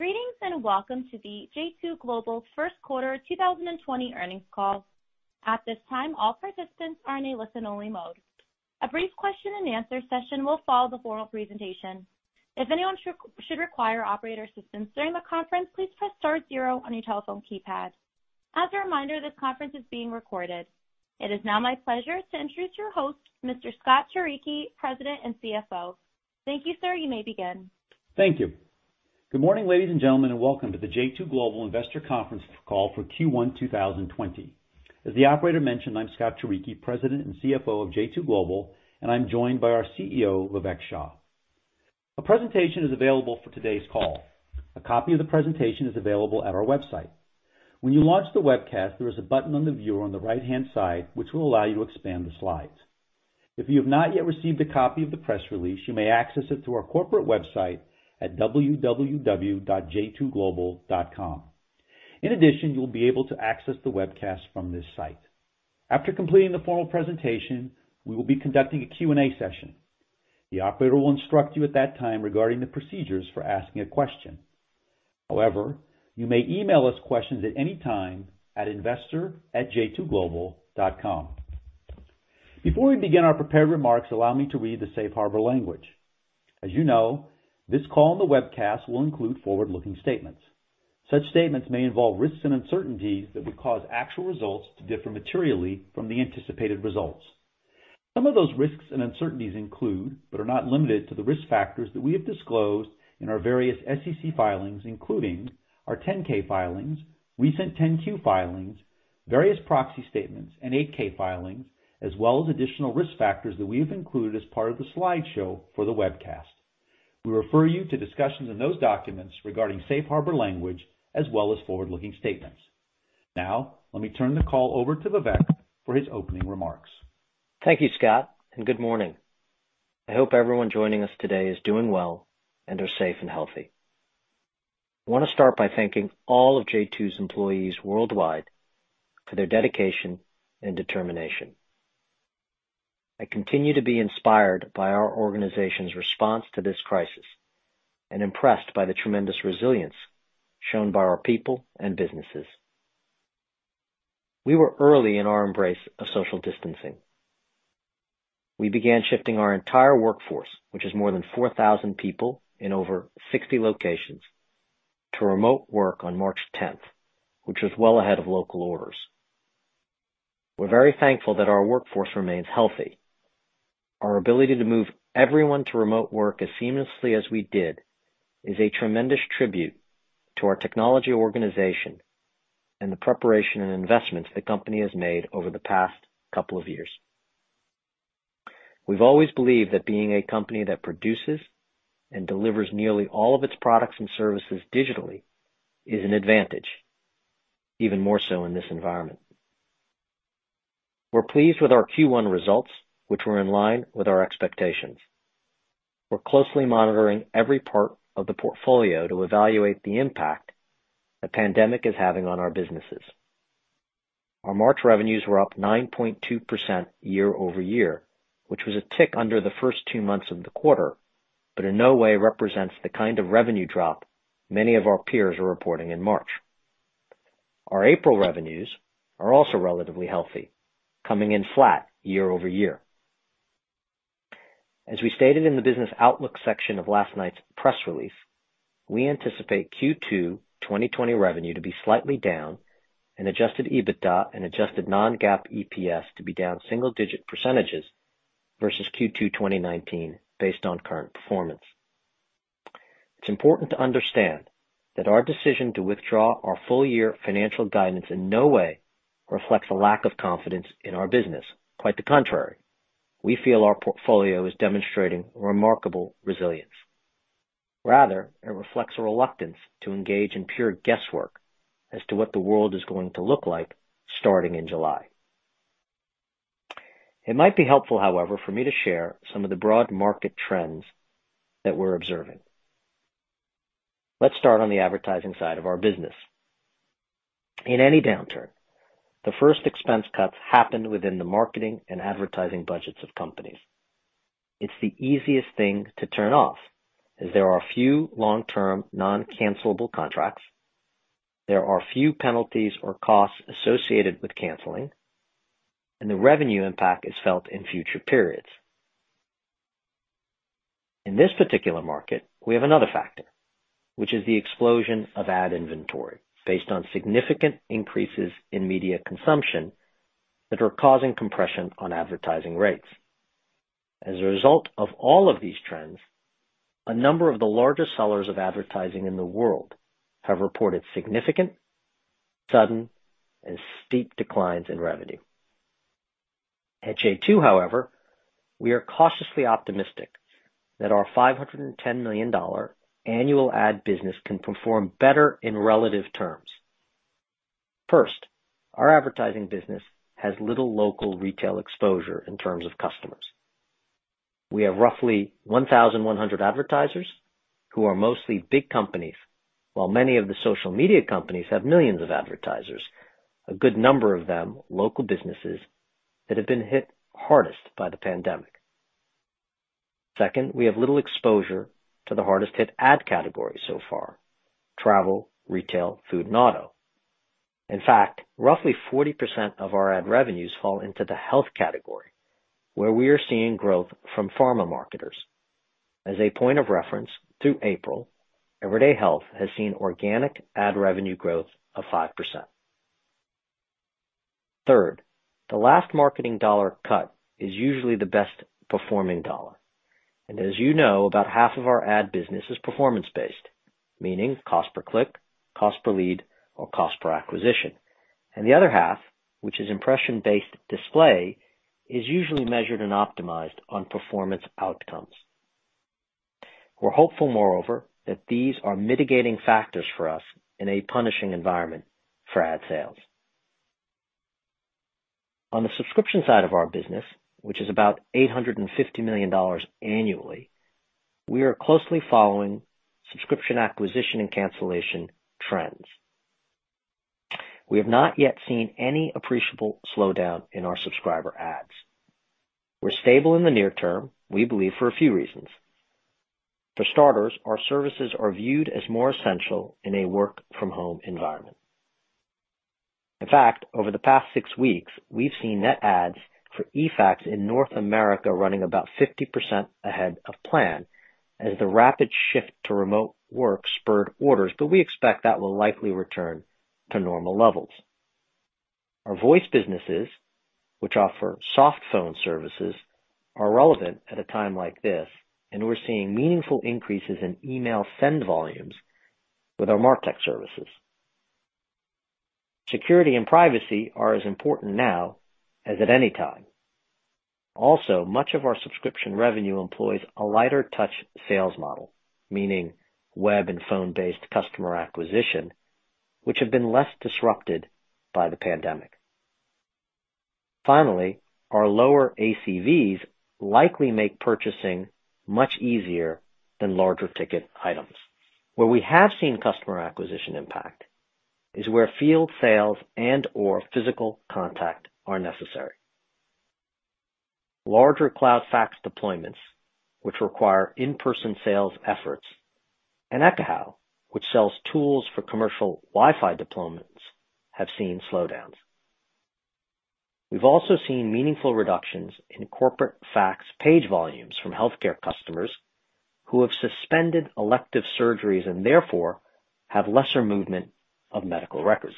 Greetings and welcome to the J2 Global First Quarter 2020 Earnings Call. At this time, all participants are in a listen-only mode. A brief question and answer session will follow the formal presentation. If anyone should require operator assistance during the conference, please press star zero on your telephone keypad. As a reminder, this conference is being recorded. It is now my pleasure to introduce your host, Mr. Scott Turicchi, President and CFO. Thank you, sir. You may begin. Thank you. Good morning, ladies and gentlemen, and welcome to the J2 Global Investor Conference Call for Q1 2020. As the operator mentioned, I'm Scott Turicchi, President and CFO of J2 Global, and I'm joined by our CEO, Vivek Shah. A presentation is available for today's call. A copy of the presentation is available at our website. When you launch the webcast, there is a button on the viewer on the right-hand side, which will allow you to expand the slides. If you have not yet received a copy of the press release, you may access it through our corporate website at www.j2global.com. In addition, you'll be able to access the webcast from this site. After completing the formal presentation, we will be conducting a Q&A session. The operator will instruct you at that time regarding the procedures for asking a question. However, you may email us questions at any time at investor@j2global.com. Before we begin our prepared remarks, allow me to read the safe harbor language. As you know, this call and the webcast will include forward-looking statements. Such statements may involve risks and uncertainties that would cause actual results to differ materially from the anticipated results. Some of those risks and uncertainties include, but are not limited to the risk factors that we have disclosed in our various SEC filings, including our 10-K filings, recent 10-Q filings, various proxy statements, and 8-K filings, as well as additional risk factors that we have included as part of the slideshow for the webcast. We refer you to discussions in those documents regarding safe harbor language as well as forward-looking statements. Now, let me turn the call over to Vivek for his opening remarks. Thank you, Scott. Good morning. I hope everyone joining us today is doing well and are safe and healthy. I want to start by thanking all of J2's employees worldwide for their dedication and determination. I continue to be inspired by our organization's response to this crisis and impressed by the tremendous resilience shown by our people and businesses. We were early in our embrace of social distancing. We began shifting our entire workforce, which is more than 4,000 people in over 60 locations, to remote work on March 10th, which was well ahead of local orders. We're very thankful that our workforce remains healthy. Our ability to move everyone to remote work as seamlessly as we did is a tremendous tribute to our technology organization and the preparation and investments the company has made over the past couple of years. We've always believed that being a company that produces and delivers nearly all of its products and services digitally is an advantage, even more so in this environment. We're pleased with our Q1 results, which were in line with our expectations. We're closely monitoring every part of the portfolio to evaluate the impact the pandemic is having on our businesses. Our March revenues were up 9.2% year-over-year, which was a tick under the first two months of the quarter, but in no way represents the kind of revenue drop many of our peers are reporting in March. Our April revenues are also relatively healthy, coming in flat year-over-year. As we stated in the business outlook section of last night's press release, we anticipate Q2 2020 revenue to be slightly down and adjusted EBITDA and adjusted non-GAAP EPS to be down single-digit percentages versus Q2 2019 based on current performance. It's important to understand that our decision to withdraw our full-year financial guidance in no way reflects a lack of confidence in our business. Quite the contrary, we feel our portfolio is demonstrating remarkable resilience. Rather, it reflects a reluctance to engage in pure guesswork as to what the world is going to look like starting in July. It might be helpful, however, for me to share some of the broad market trends that we're observing. Let's start on the advertising side of our business. In any downturn, the first expense cuts happen within the marketing and advertising budgets of companies. It's the easiest thing to turn off as there are few long-term non-cancelable contracts, there are few penalties or costs associated with canceling, and the revenue impact is felt in future periods. In this particular market, we have another factor, which is the explosion of ad inventory based on significant increases in media consumption that are causing compression on advertising rates. As a result of all of these trends, a number of the largest sellers of advertising in the world have reported significant, sudden, and steep declines in revenue. At J2, however, we are cautiously optimistic that our $510 million annual ad business can perform better in relative terms. First, our advertising business has little local retail exposure in terms of customers. We have roughly 1,100 advertisers who are mostly big companies. While many of the social media companies have millions of advertisers, a good number of them, local businesses that have been hit hardest by the pandemic. Second, we have little exposure to the hardest-hit ad categories so far: travel, retail, food, and auto. In fact, roughly 40% of our ad revenues fall into the health category, where we are seeing growth from pharma marketers. As a point of reference, through April, Everyday Health has seen organic ad revenue growth of 5%. Third, the last marketing dollar cut is usually the best-performing dollar. As you know, about half of our ad business is performance-based, meaning cost per click, cost per lead, or cost per acquisition. The other half, which is impression-based display, is usually measured and optimized on performance outcomes. We're hopeful, moreover, that these are mitigating factors for us in a punishing environment for ad sales. On the subscription side of our business, which is about $850 million annually, we are closely following subscription acquisition and cancellation trends. We have not yet seen any appreciable slowdown in our subscriber adds. We're stable in the near-term, we believe, for a few reasons. For starters, our services are viewed as more essential in a work-from-home environment. In fact, over the past six weeks, we've seen net adds for eFax in North America running about 50% ahead of plan as the rapid shift to remote work spurred orders, but we expect that will likely return to normal levels. Our voice businesses, which offer softphone services, are relevant at a time like this, and we're seeing meaningful increases in email send volumes with our MarTech services. Security and privacy are as important now as at any time. Also, much of our subscription revenue employs a lighter touch sales model, meaning web and phone-based customer acquisition, which have been less disrupted by the pandemic. Finally, our lower ACVs likely make purchasing much easier than larger ticket items. Where we have seen customer acquisition impact is where field sales and/or physical contact are necessary. Larger cloud fax deployments, which require in-person sales efforts, and Ekahau, which sells tools for commercial Wi-Fi deployments, have seen slowdowns. We've also seen meaningful reductions in corporate fax page volumes from healthcare customers who have suspended elective surgeries and therefore have lesser movement of medical records.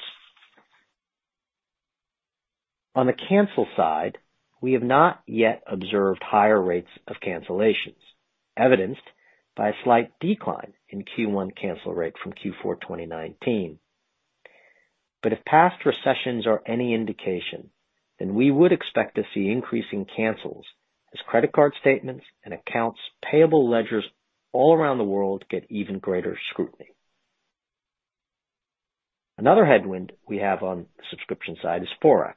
On the cancel side, we have not yet observed higher rates of cancellations, evidenced by a slight decline in Q1 cancel rate from Q4 2019. If past recessions are any indication, then we would expect to see increasing cancels as credit card statements and accounts payable ledgers all around the world get even greater scrutiny. Another headwind we have on the subscription side is forex,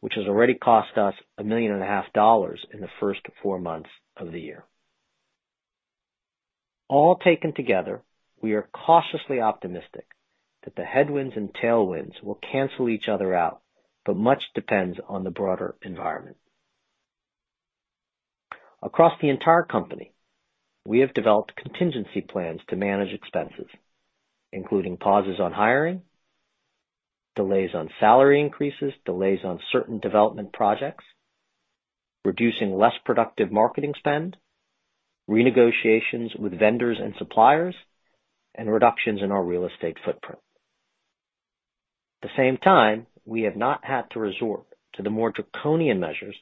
which has already cost us a million and a half dollars in the first four months of the year. All taken together, we are cautiously optimistic that the headwinds and tailwinds will cancel each other out, but much depends on the broader environment. Across the entire company, we have developed contingency plans to manage expenses, including pauses on hiring, delays on salary increases, delays on certain development projects, reducing less productive marketing spend, renegotiations with vendors and suppliers, and reductions in our real estate footprint. At the same time, we have not had to resort to the more draconian measures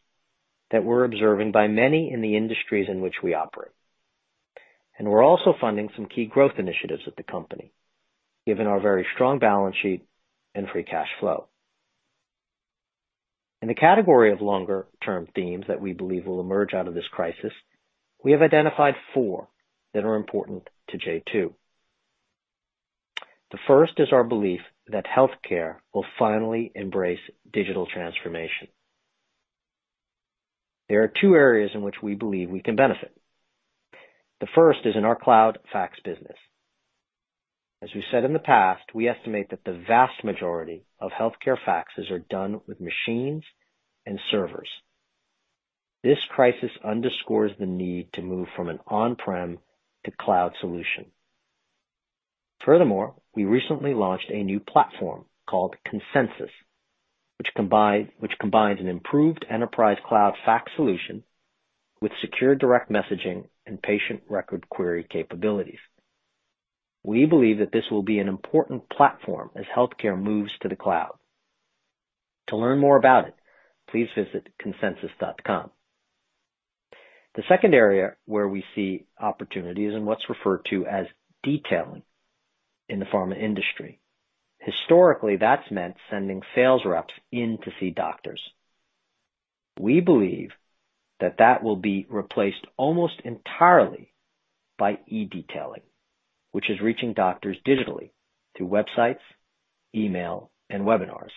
that we're observing by many in the industries in which we operate. We're also funding some key growth initiatives at the company, given our very strong balance sheet and free cash flow. In the category of longer-term themes that we believe will emerge out of this crisis, we have identified four that are important to J2. The first is our belief that healthcare will finally embrace digital transformation. There are two areas in which we believe we can benefit. The first is in our cloud fax business. As we've said in the past, we estimate that the vast majority of healthcare faxes are done with machines and servers. This crisis underscores the need to move from an on-prem to cloud solution. Furthermore, we recently launched a new platform called Consensus, which combines an improved enterprise cloud fax solution with secure direct messaging and patient record query capabilities. We believe that this will be an important platform as healthcare moves to the cloud. To learn more about it, please visit consensus.com. The second area where we see opportunity is in what's referred to as detailing in the pharma industry. Historically, that's meant sending sales reps in to see doctors. We believe that that will be replaced almost entirely by e-detailing, which is reaching doctors digitally through websites, email, and webinars.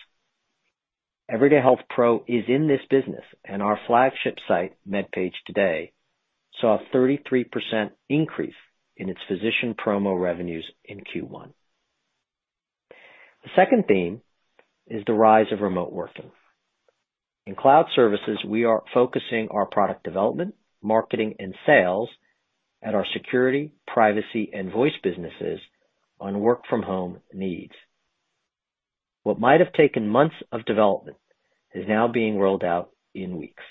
Everyday Health Pro is in this business, and our flagship site, MedPage Today, saw a 33% increase in its physician promo revenues in Q1. The second theme is the rise of remote working. In cloud services, we are focusing our product development, marketing, and sales at our security, privacy, and voice businesses on work-from-home needs. What might have taken months of development is now being rolled out in weeks.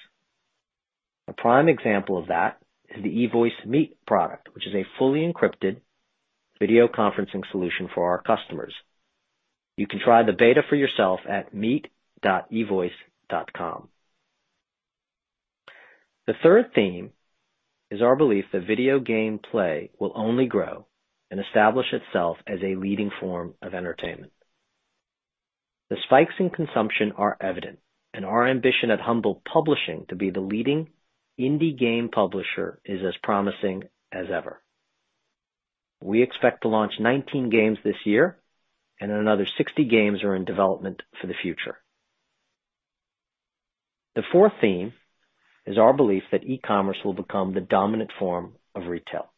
A prime example of that is the eVoice Meet product, which is a fully encrypted video conferencing solution for our customers. You can try the beta for yourself at meet.evoice.com. The third theme is our belief that video game play will only grow and establish itself as a leading form of entertainment. The spikes in consumption are evident, and our ambition at Humble Publishing to be the leading indie game publisher is as promising as ever. We expect to launch 19 games this year, and another 60 games are in development for the future. The fourth theme is our belief that e-commerce will become the dominant form of retail.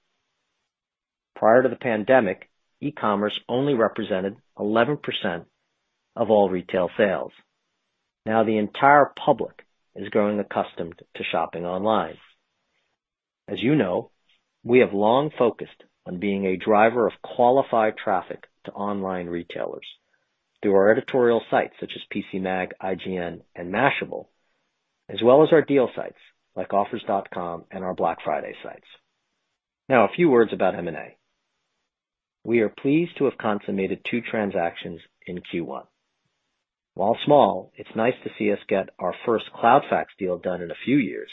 Prior to the pandemic, e-commerce only represented 11% of all retail sales. The entire public is growing accustomed to shopping online. As you know, we have long focused on being a driver of qualified traffic to online retailers through our editorial sites such as PCMag, IGN, and Mashable, as well as our deal sites like offers.com and our Black Friday sites. A few words about M&A. We are pleased to have consummated two transactions in Q1. While small, it's nice to see us get our first cloud fax deal done in a few years,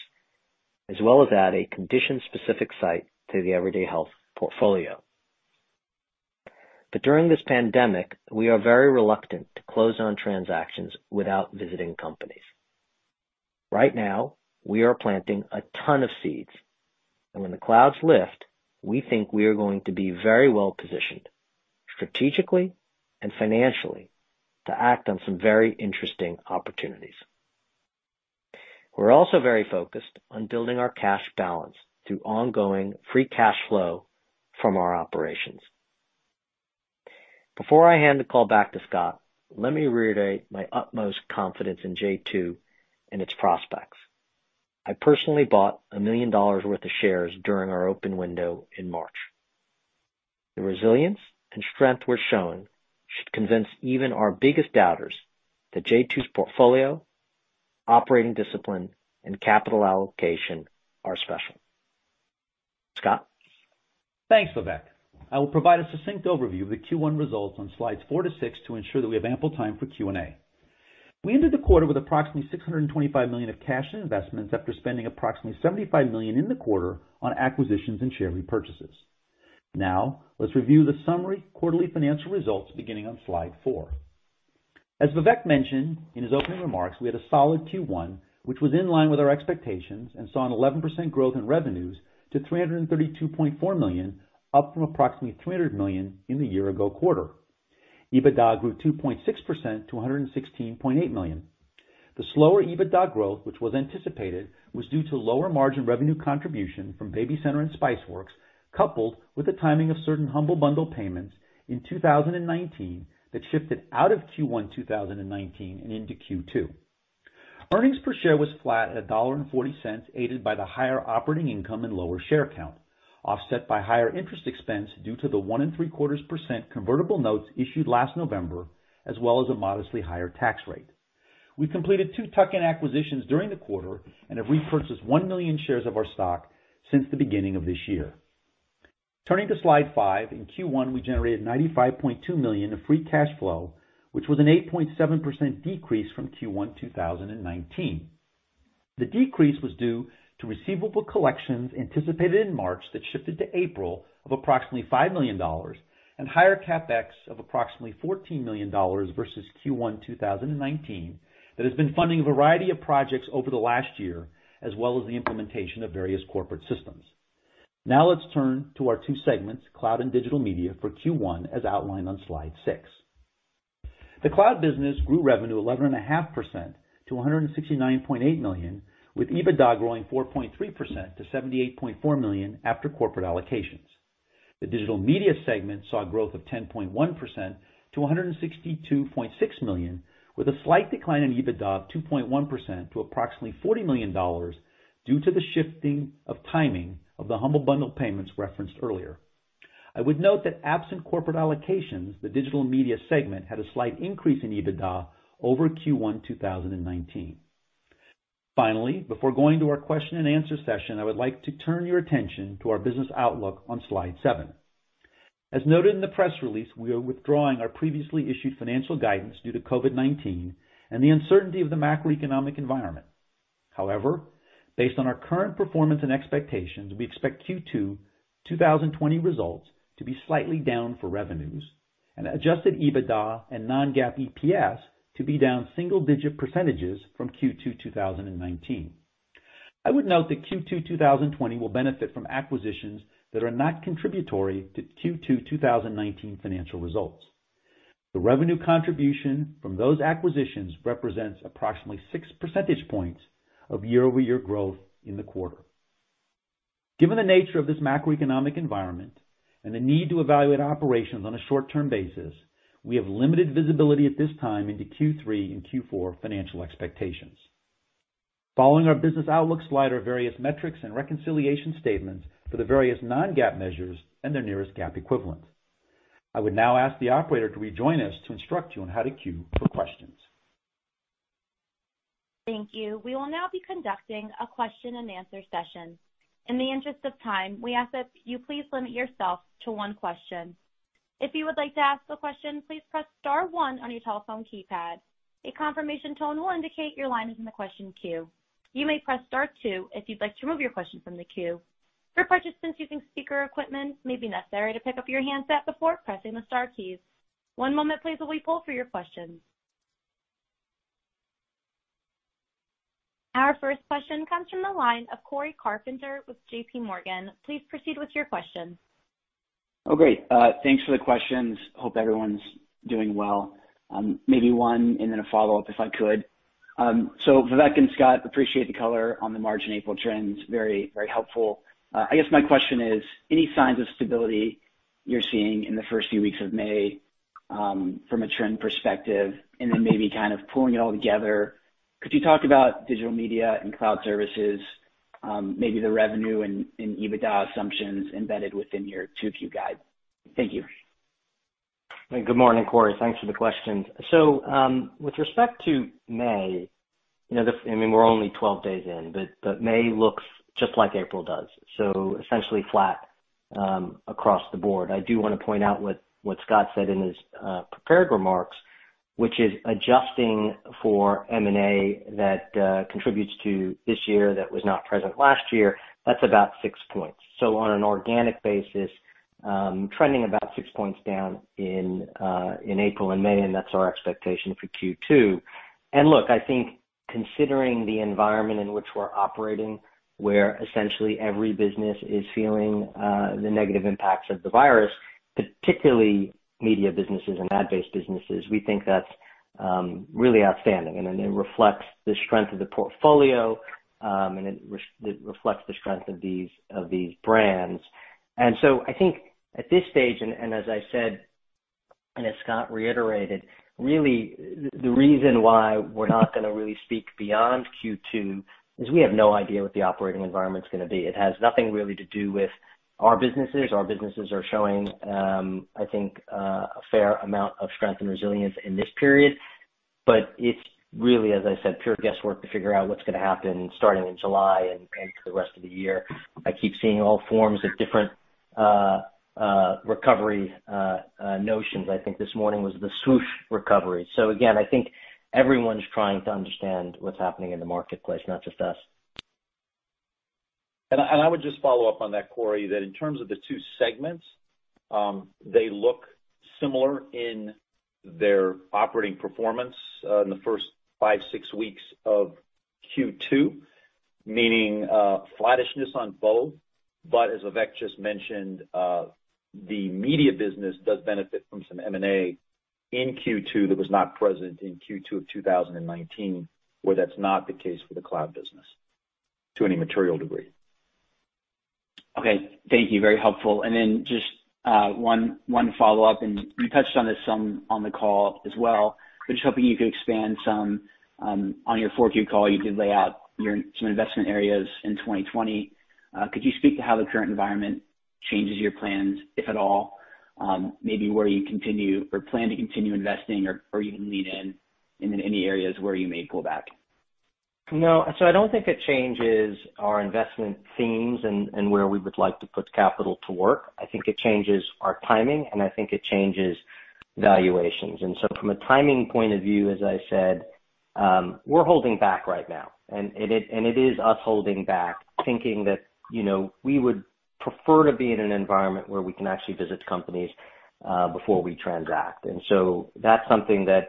as well as add a condition-specific site to the Everyday Health portfolio. During this pandemic, we are very reluctant to close on transactions without visiting companies. Right now, we are planting a ton of seeds, and when the clouds lift, we think we are going to be very well-positioned, strategically and financially, to act on some very interesting opportunities. We're also very focused on building our cash balance through ongoing free cash flow from our operations. Before I hand the call back to Scott, let me reiterate my utmost confidence in J2 and its prospects. I personally bought $1 million worth of shares during our open window in March. The resilience and strength we're showing should convince even our biggest doubters that J2's portfolio, operating discipline, and capital allocation are special. Scott? Thanks, Vivek. I will provide a succinct overview of the Q1 results on slides four to six to ensure that we have ample time for Q&A. We ended the quarter with approximately $625 million of cash and investments after spending approximately $75 million in the quarter on acquisitions and share repurchases. Let's review the summary quarterly financial results beginning on slide four. As Vivek mentioned in his opening remarks, we had a solid Q1, which was in line with our expectations and saw an 11% growth in revenues to $332.4 million, up from approximately $300 million in the year-ago quarter. EBITDA grew 2.6% to $116.8 million. The slower EBITDA growth, which was anticipated, was due to lower margin revenue contribution from BabyCenter and Spiceworks, coupled with the timing of certain Humble Bundle payments in 2019 that shifted out of Q1 2019 and into Q2. Earnings per share was flat at $1.40, aided by the higher operating income and lower share count, offset by higher interest expense due to the 1.75% convertible notes issued last November, as well as a modestly higher tax rate. We completed two tuck-in acquisitions during the quarter and have repurchased 1 million shares of our stock since the beginning of this year. Turning to slide five, in Q1, we generated $95.2 million of free cash flow, which was an 8.7% decrease from Q1 2019. The decrease was due to receivable collections anticipated in March that shifted to April of approximately $5 million and higher CapEx of approximately $14 million versus Q1 2019 that has been funding a variety of projects over the last year as well as the implementation of various corporate systems. Let's turn to our two segments, Cloud and Digital Media, for Q1 as outlined on slide six. The Cloud business grew revenue 11.5% to $169.8 million, with EBITDA growing 4.3% to $78.4 million after corporate allocations. The Digital Media segment saw a growth of 10.1% to $162.6 million, with a slight decline in EBITDA of 2.1% to approximately $40 million due to the shifting of timing of the Humble Bundle payments referenced earlier. I would note that absent corporate allocations, the Digital Media segment had a slight increase in EBITDA over Q1 2019. Before going to our question and answer session, I would like to turn your attention to our business outlook on slide seven. As noted in the press release, we are withdrawing our previously issued financial guidance due to COVID-19 and the uncertainty of the macroeconomic environment. Based on our current performance and expectations, we expect Q2 2020 results to be slightly down for revenues and adjusted EBITDA and non-GAAP EPS to be down single-digit percentages from Q2 2019. I would note that Q2 2020 will benefit from acquisitions that are not contributory to Q2 2019 financial results. The revenue contribution from those acquisitions represents approximately 6 percentage points of year-over-year growth in the quarter. Given the nature of this macroeconomic environment and the need to evaluate operations on a short-term basis, we have limited visibility at this time into Q3 and Q4 financial expectations. Following our business outlook slide are various metrics and reconciliation statements for the various non-GAAP measures and their nearest GAAP equivalent. I would now ask the operator to rejoin us to instruct you on how to queue for questions. Thank you. We will now be conducting a question and answer session. In the interest of time, we ask that you please limit yourself to one question. If you would like to ask a question, please press star one on your telephone keypad. A confirmation tone will indicate your line is in the question queue. You may press star two if you'd like to remove your question from the queue. For participants using speaker equipment, it may be necessary to pick up your handset before pressing the star keys. One moment please while we poll for your questions. Our first question comes from the line of Cory Carpenter with JPMorgan. Please proceed with your question. Great. Thanks for the questions. Hope everyone's doing well. Maybe one and then a follow-up, if I could. Vivek and Scott, appreciate the color on the March and April trends. Very helpful. I guess my question is, any signs of stability you're seeing in the first few weeks of May from a trend perspective? Then maybe kind of pulling it all together, could you talk about Digital Media and Cloud Services? Maybe the revenue and EBITDA assumptions embedded within your two-view guide. Thank you. Good morning, Cory. Thanks for the questions. With respect to May, we're only 12 days in, but May looks just like April does, essentially flat across the board. I do want to point out what Scott said in his prepared remarks, which is adjusting for M&A that contributes to this year that was not present last year, that's about six points. On an organic basis, trending about six points down in April and May, and that's our expectation for Q2. Look, I think considering the environment in which we're operating, where essentially every business is feeling the negative impacts of the virus, particularly media businesses and ad-based businesses, we think that's really outstanding. It reflects the strength of the portfolio, it reflects the strength of these brands. I think at this stage, and as I said, and as Scott reiterated, really, the reason why we're not going to really speak beyond Q2 is we have no idea what the operating environment's going to be. It has nothing really to do with our businesses. Our businesses are showing, I think, a fair amount of strength and resilience in this period. It's really, as I said, pure guesswork to figure out what's going to happen starting in July and for the rest of the year. I keep seeing all forms of different recovery notions. I think this morning was the swoosh recovery. Again, I think everyone's trying to understand what's happening in the marketplace, not just us. I would just follow up on that, Cory, that in terms of the two segments, they look similar in their operating performance in the first five, six weeks of Q2, meaning flattishness on both. As Vivek just mentioned, the media business does benefit from some M&A in Q2 that was not present in Q2 of 2019, where that's not the case for the cloud business to any material degree. Okay. Thank you. Very helpful. Just one follow-up, and you touched on this some on the call as well, but just hoping you could expand some. On your Q4 call, you did lay out some investment areas in 2020. Could you speak to how the current environment changes your plans, if at all? Maybe where you continue or plan to continue investing or even lean in, and then any areas where you may pull back. No, I don't think it changes our investment themes and where we would like to put capital to work. I think it changes our timing, and I think it changes valuations. From a timing point of view, as I said, we're holding back right now, and it is us holding back thinking that we would prefer to be in an environment where we can actually visit companies before we transact. That's something that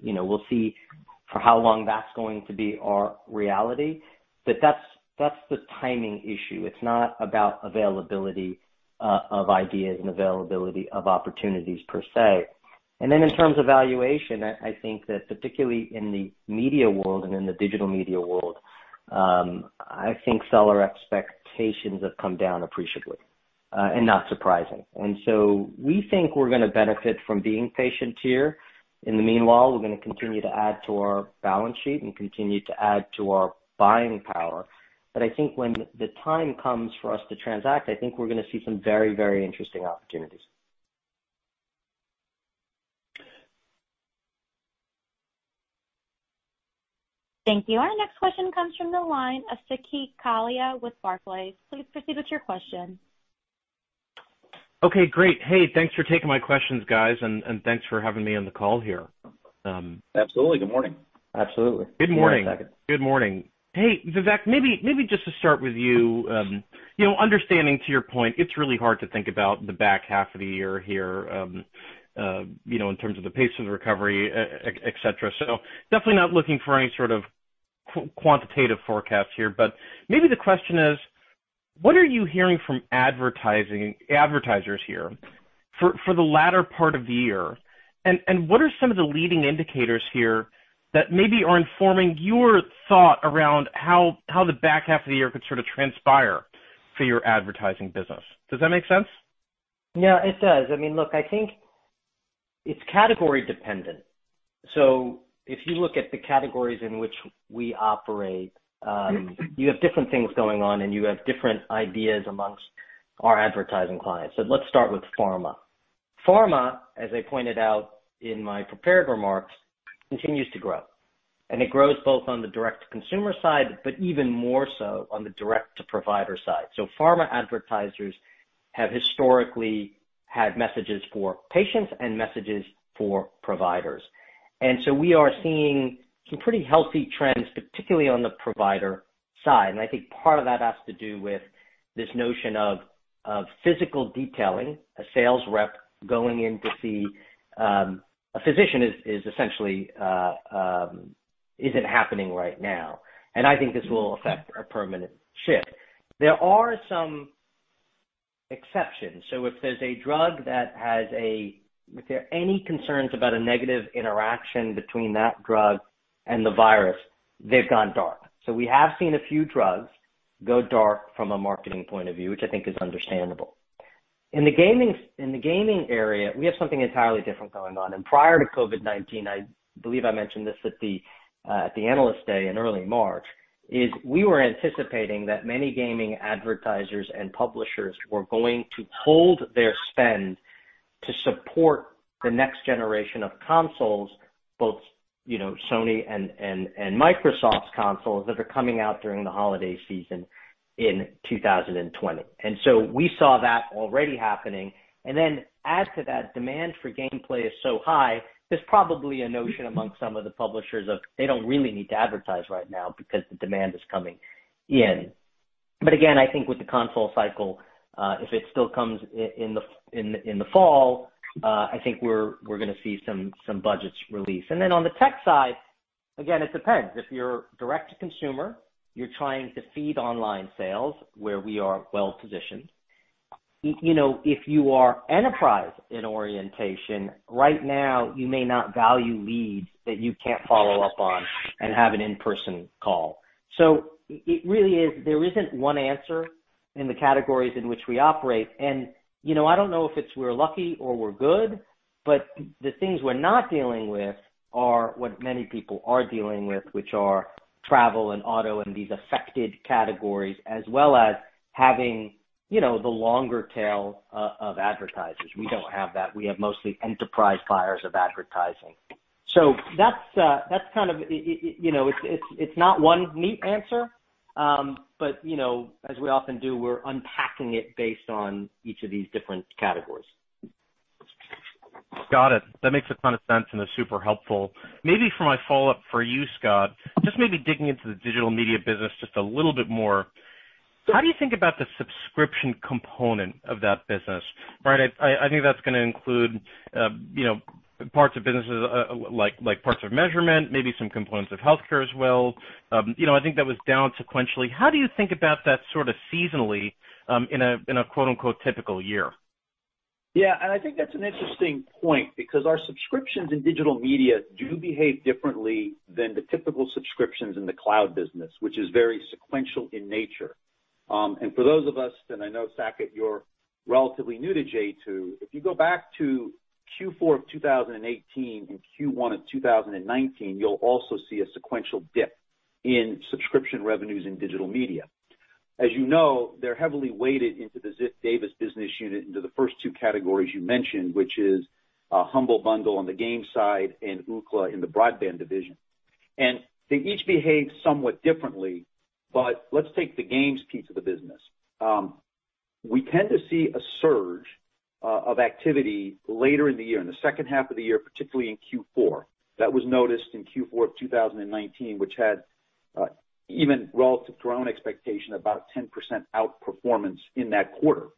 we'll see for how long that's going to be our reality. That's the timing issue. It's not about availability of ideas and availability of opportunities per se. In terms of valuation, I think that particularly in the media world and in the digital media world, I think seller expectations have come down appreciably, and not surprising. We think we're going to benefit from being patient here. In the meanwhile, we're going to continue to add to our balance sheet and continue to add to our buying power. I think when the time comes for us to transact, I think we're going to see some very interesting opportunities. Thank you. Our next question comes from the line of Saket Kalia with Barclays. Please proceed with your question. Okay, great. Hey, thanks for taking my questions, guys, and thanks for having me on the call here. Absolutely. Good morning. Absolutely. Good morning. Good morning, Saket. Good morning. Hey, Vivek, maybe just to start with you. Understanding to your point, it's really hard to think about the back half of the year here in terms of the pace of the recovery, et cetera. Definitely not looking for any sort of quantitative forecast here. Maybe the question is: What are you hearing from advertisers here for the latter part of the year? What are some of the leading indicators here that maybe are informing your thought around how the back half of the year could sort of transpire for your advertising business? Does that make sense? Yeah, it does. Look, I think it's category dependent. If you look at the categories in which we operate. You have different things going on, you have different ideas amongst our advertising clients. Let's start with pharma. Pharma, as I pointed out in my prepared remarks, continues to grow. It grows both on the direct-to-consumer side, but even more so on the direct-to-provider side. Pharma advertisers have historically had messages for patients and messages for providers. We are seeing some pretty healthy trends, particularly on the provider side. I think part of that has to do with this notion of physical detailing, a sales rep going in to see a physician, essentially isn't happening right now. I think this will affect a permanent shift. There are some exceptions. If there's a drug that has If there are any concerns about a negative interaction between that drug and the virus, they've gone dark. We have seen a few drugs go dark from a marketing point of view, which I think is understandable. In the gaming area, we have something entirely different going on. Prior to COVID-19, I believe I mentioned this at the Analyst Day in early March, is we were anticipating that many gaming advertisers and publishers were going to hold their spend to support the next generation of consoles, both Sony and Microsoft's consoles, that are coming out during the holiday season in 2020. We saw that already happening. Add to that, demand for gameplay is so high, there's probably a notion amongst some of the publishers of they don't really need to advertise right now because the demand is coming in. I think with the console cycle, if it still comes in the fall, I think we're going to see some budgets release. On the tech side, again, it depends. If you're direct-to-consumer, you're trying to feed online sales, where we are well-positioned. If you are enterprise in orientation, right now, you may not value leads that you can't follow up on and have an in-person call. It really is, there isn't one answer in the categories in which we operate. I don't know if it's we're lucky or we're good, but the things we're not dealing with are what many people are dealing with, which are travel and auto and these affected categories, as well as having the longer tail of advertisers. We don't have that. We have mostly enterprise buyers of advertising. That's kind of, it's not one neat answer. As we often do, we're unpacking it based on each of these different categories. Got it. That makes a ton of sense and is super helpful. Maybe for my follow-up for you, Scott, just maybe digging into the digital media business just a little bit more. How do you think about the subscription component of that business? I think that's going to include parts of businesses like parts of measurement, maybe some components of healthcare as well. I think that was down sequentially. How do you think about that sort of seasonally in a quote, unquote, "typical year? Yeah, I think that's an interesting point because our subscriptions in Digital Media do behave differently than the typical subscriptions in the cloud business, which is very sequential in nature. For those of us, and I know, Saket, you're relatively new to J2, if you go back to Q4 2018 and Q1 2019, you'll also see a sequential dip in subscription revenues in Digital Media. You know, they're heavily weighted into the Ziff Davis business unit into the first two categories you mentioned, which is Humble Bundle on the games side and Ookla in the broadband division. They each behave somewhat differently, but let's take the games piece of the business. We tend to see a surge of activity later in the year, in the second half of the year, particularly in Q4. That was noticed in Q4 of 2019, which had, even relative to our own expectation, about a 10% outperformance in that quarter.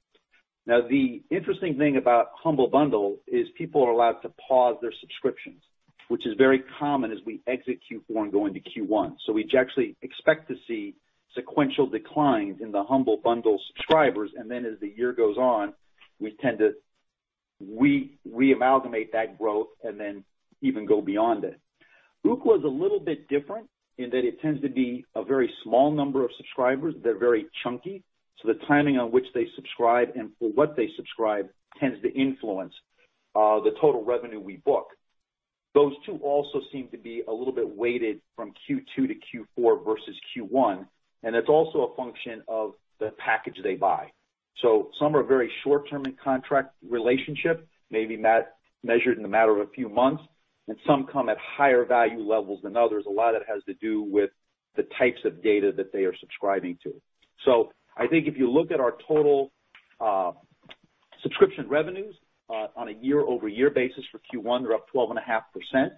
The interesting thing about Humble Bundle is people are allowed to pause their subscriptions, which is very common as we exit Q4 and go into Q1. We actually expect to see sequential declines in the Humble Bundle subscribers, and then as the year goes on, we tend to reamalgamate that growth and then even go beyond it. Ookla is a little bit different in that it tends to be a very small number of subscribers. They're very chunky. The timing on which they subscribe and for what they subscribe tends to influence the total revenue we book. Those two also seem to be a little bit weighted from Q2 to Q4 versus Q1, and it's also a function of the package they buy. Some are very short-term in contract relationship, maybe measured in a matter of a few months, and some come at higher value levels than others. A lot of it has to do with the types of data that they are subscribing to. I think if you look at our total subscription revenues on a year-over-year basis for Q1, they're up 12.5%.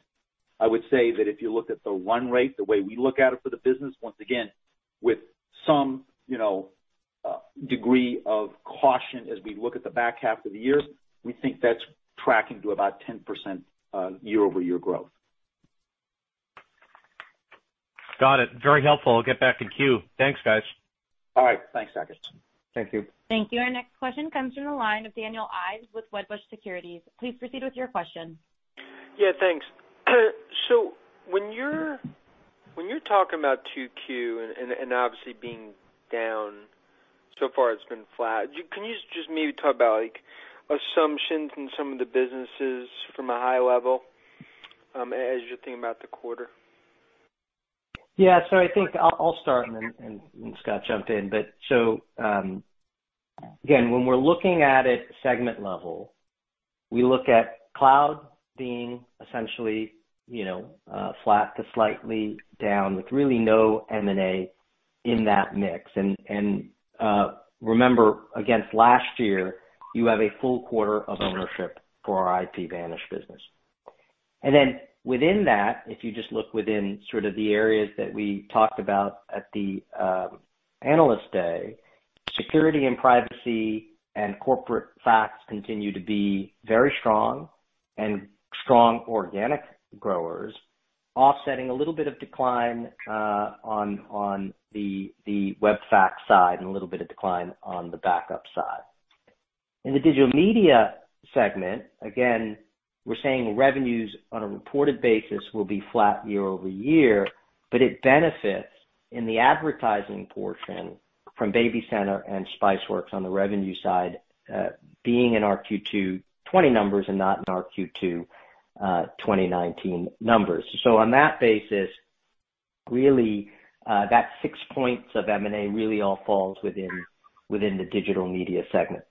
I would say that if you look at the run rate, the way we look at it for the business, once again, with some degree of caution as we look at the back half of the year, we think that's tracking to about 10% year-over-year growth. Got it. Very helpful. I'll get back in queue. Thanks, guys. All right. Thanks, Saket. Thank you. Thank you. Our next question comes from the line of Daniel Ives with Wedbush Securities. Please proceed with your question. Yeah, thanks. When you're talking about 2Q and obviously being down, so far it's been flat. Can you just maybe talk about assumptions in some of the businesses from a high level, as you're thinking about the quarter? Yeah. I think I'll start and then Scott jump in. Again, when we're looking at it segment level, we look at cloud being essentially flat to slightly down with really no M&A in that mix. Remember against last year, you have a full quarter of ownership for our IPVanish business. Within that, if you just look within sort of the areas that we talked about at the Analyst Day, security and privacy and corporate fax continue to be very strong and strong organic growers offsetting a little bit of decline on the web fax side and a little bit of decline on the backup side. In the Digital Media segment, again, we're saying revenues on a reported basis will be flat year-over-year. It benefits in the advertising portion from BabyCenter and Spiceworks on the revenue side, being in our Q2 2020 numbers and not in our Q2 2019 numbers. On that basis, really, that six points of M&A really all falls within the digital media segment.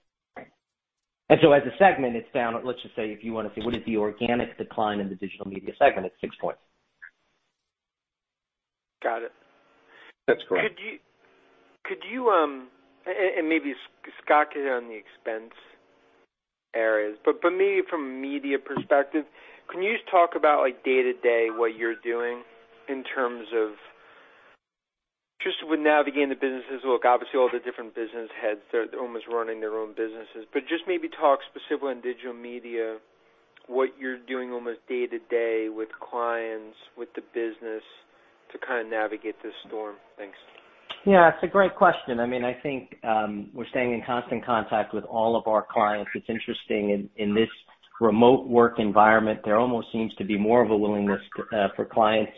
As a segment, it's down, let's just say, if you want to say, what is the organic decline in the digital media segment? It's six points. Got it. That's correct. Maybe Scott could on the expense areas, but for me, from a media perspective, can you just talk about day-to-day what you're doing in terms of just with navigating the businesses? Look, obviously all the different business heads, they're almost running their own businesses, but just maybe talk specifically on digital media, what you're doing almost day-to-day with clients, with the business to kind of navigate this storm. Thanks. Yeah, it's a great question. I think we're staying in constant contact with all of our clients. It's interesting in this remote work environment, there almost seems to be more of a willingness for clients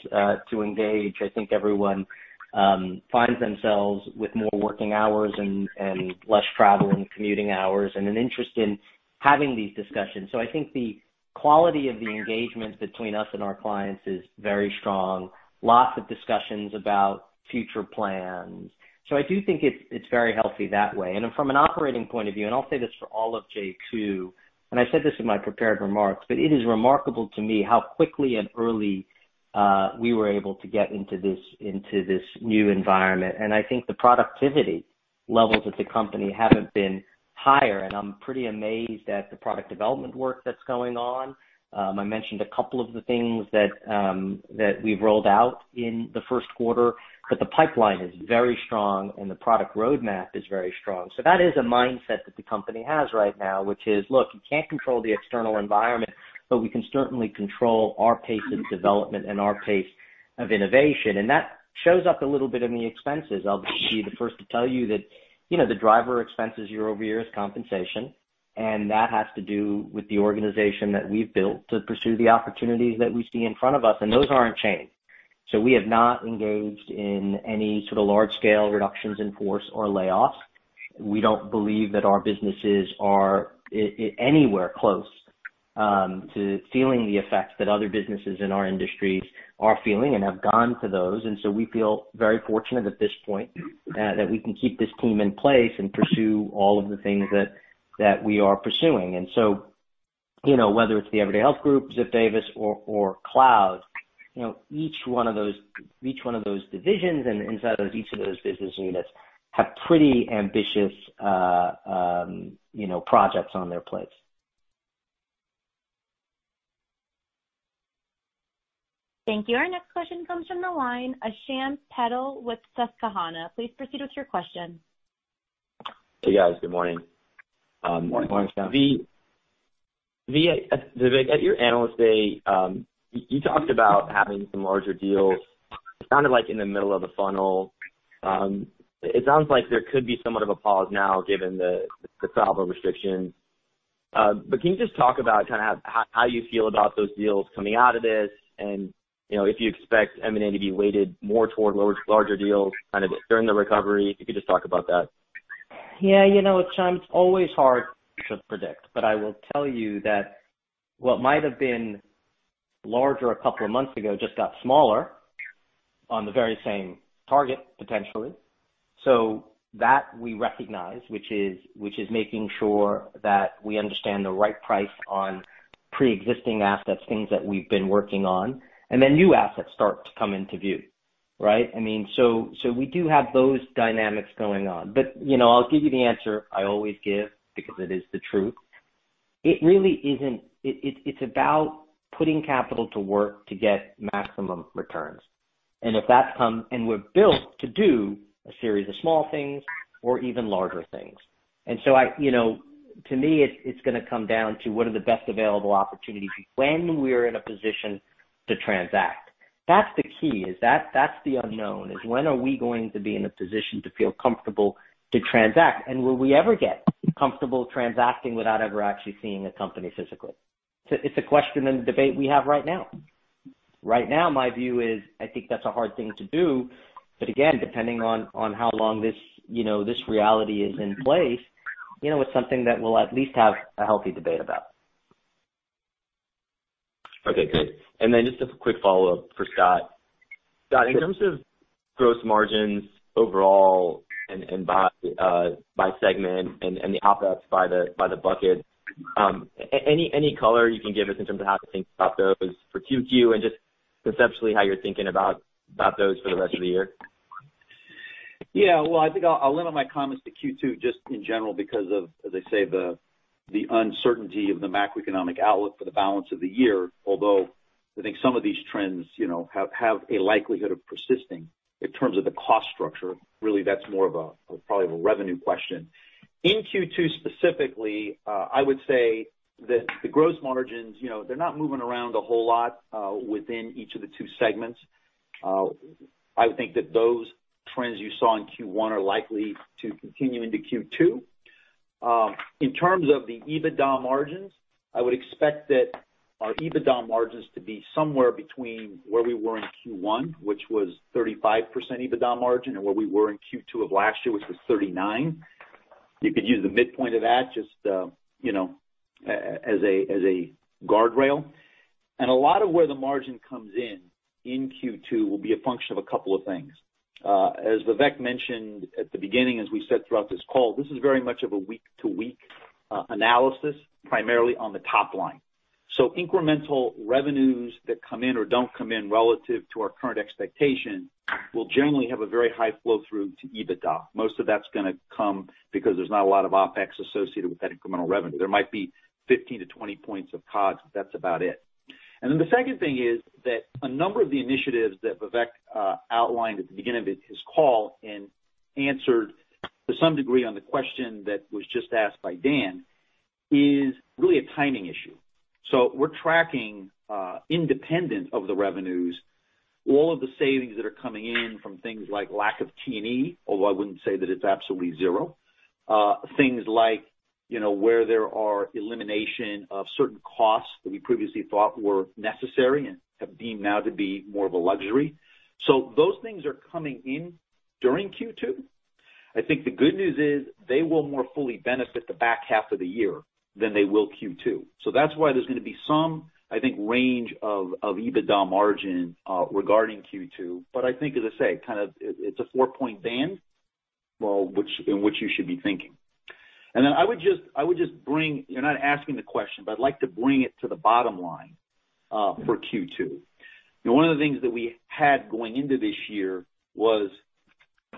to engage. I think everyone finds themselves with more working hours and less travel and commuting hours, and an interest in having these discussions. I think the quality of the engagement between us and our clients is very strong. Lots of discussions about future plans. I do think it's very healthy that way. From an operating point of view, and I'll say this for all of J2 Global, and I said this in my prepared remarks, but it is remarkable to me how quickly and early we were able to get into this new environment. I think the productivity levels at the company haven't been higher, and I'm pretty amazed at the product development work that's going on. I mentioned a couple of the things that we've rolled out in the first quarter, but the pipeline is very strong and the product roadmap is very strong. That is a mindset that the company has right now, which is, look, you can't control the external environment, but we can certainly control our pace of development and our pace of innovation. That shows up a little bit in the expenses. I'll be the first to tell you that the driver expenses year-over-year is compensation, and that has to do with the organization that we've built to pursue the opportunities that we see in front of us, and those aren't change. We have not engaged in any sort of large-scale reductions in force or layoffs. We don't believe that our businesses are anywhere close to feeling the effects that other businesses in our industry are feeling and have gone through those. We feel very fortunate at this point that we can keep this team in place and pursue all of the things that we are pursuing. Whether it's the Everyday Health Group, Ziff Davis or Cloud, each one of those divisions and inside of each of those business units have pretty ambitious projects on their plates. Thank you. Our next question comes from the line of Shyam Patil with Susquehanna. Please proceed with your question. Hey, guys. Good morning. Morning. Morning, Shyam. Vivek, at your Analyst Day, you talked about having some larger deals. It sounded like in the middle of the funnel. It sounds like there could be somewhat of a pause now given the travel restrictions. Can you just talk about kind of how you feel about those deals coming out of this? If you expect M&A to be weighted more toward larger deals kind of during the recovery. If you could just talk about that. Yeah. Shyam, it's always hard to predict, but I will tell you that what might have been larger a couple of months ago just got smaller on the very same target, potentially. That we recognize, which is making sure that we understand the right price on preexisting assets, things that we've been working on, and then new assets start to come into view, right? We do have those dynamics going on. I'll give you the answer I always give because it is the truth. It's about putting capital to work to get maximum returns. We're built to do a series of small things or even larger things. To me, it's going to come down to what are the best available opportunities when we're in a position to transact. That's the key. That's the unknown, is when are we going to be in a position to feel comfortable to transact? Will we ever get comfortable transacting without ever actually seeing a company physically? It's a question and a debate we have right now. Right now, my view is, I think that's a hard thing to do. Again, depending on how long this reality is in place, it's something that we'll at least have a healthy debate about. Okay, good. Just a quick follow-up for Scott. Scott, in terms of gross margins overall and by segment and the OpEx by the bucket, any color you can give us in terms of how to think about those for 2Q, and just conceptually how you're thinking about those for the rest of the year? Well, I think I'll limit my comments to Q2 just in general because of, as I say, the uncertainty of the macroeconomic outlook for the balance of the year. Although, I think some of these trends have a likelihood of persisting in terms of the cost structure. Really, that's more of a revenue question. In Q2 specifically, I would say that the gross margins, they're not moving around a whole lot within each of the two segments. I would think that those trends you saw in Q1 are likely to continue into Q2. In terms of the EBITDA margins, I would expect that our EBITDA margins to be somewhere between where we were in Q1, which was 35% EBITDA margin, and where we were in Q2 of last year, which was 39%. You could use the midpoint of that just as a guardrail. A lot of where the margin comes in in Q2 will be a function of a couple of things. As Vivek mentioned at the beginning, as we said throughout this call, this is very much of a week-to-week analysis, primarily on the top line. Incremental revenues that come in or don't come in relative to our current expectation will generally have a very high flow through to EBITDA. Most of that's going to come because there's not a lot of OpEx associated with that incremental revenue. There might be 15 points-20 points of COGS, but that's about it. The second thing is that a number of the initiatives that Vivek outlined at the beginning of his call and answered to some degree on the question that was just asked by Dan, is really a timing issue. We're tracking, independent of the revenues, all of the savings that are coming in from things like lack of T&E, although I wouldn't say that it's absolutely zero. Things like where there are elimination of certain costs that we previously thought were necessary and have deemed now to be more of a luxury. Those things are coming in during Q2. I think the good news is they will more fully benefit the back half of the year than they will Q2. That's why there's going to be some, I think, range of EBITDA margin regarding Q2. I think, as I say, it's a four-point band in which you should be thinking. I would just, You're not asking the question, but I'd like to bring it to the bottom line for Q2. One of the things that we had going into this year was,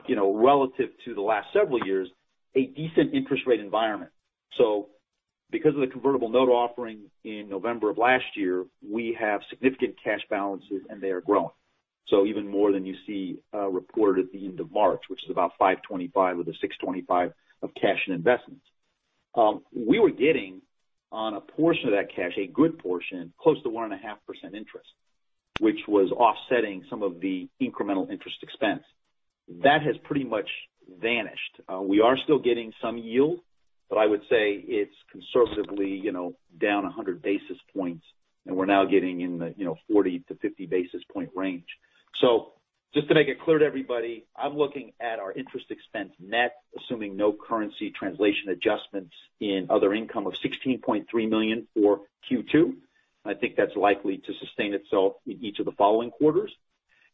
relative to the last several years, a decent interest rate environment. Because of the convertible note offering in November of last year, we have significant cash balances, and they are growing. Even more than you see reported at the end of March, which is about $525 or the $625 of cash and investments. We were getting on a portion of that cash, a good portion, close to 1.5% interest, which was offsetting some of the incremental interest expense. That has pretty much vanished. We are still getting some yield, but I would say it's conservatively down 100 basis points, and we're now getting in the 40 basis point-50 basis point range. Just to make it clear to everybody, I'm looking at our interest expense net, assuming no currency translation adjustments in other income of $16.3 million for Q2. I think that's likely to sustain itself in each of the following quarters.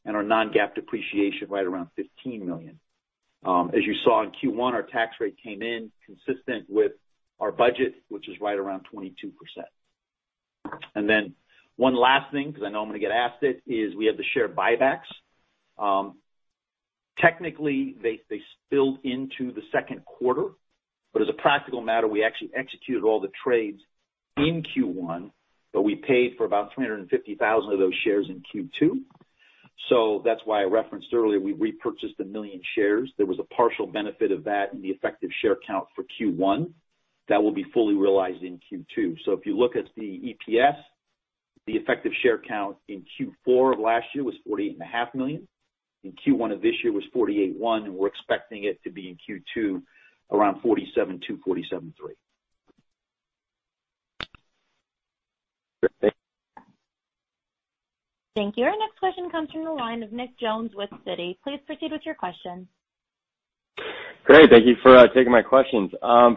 Our non-GAAP depreciation right around $15 million. As you saw in Q1, our tax rate came in consistent with our budget, which is right around 22%. One last thing, because I know I'm going to get asked it, is we have the share buybacks. Technically, they spilled into the second quarter. As a practical matter, we actually executed all the trades in Q1, but we paid for about 350,000 of those shares in Q2. That's why I referenced earlier, we repurchased 1 million shares. There was a partial benefit of that in the effective share count for Q1. That will be fully realized in Q2. If you look at the EPS, the effective share count in Q4 of last year was 48.5 million. In Q1 of this year was 48.1, we're expecting it to be in Q2 around 47.2, 47.3. Great. Thank you. Thank you. Our next question comes from the line of Nick Jones with Citi. Please proceed with your question. Great. Thank you for taking my questions.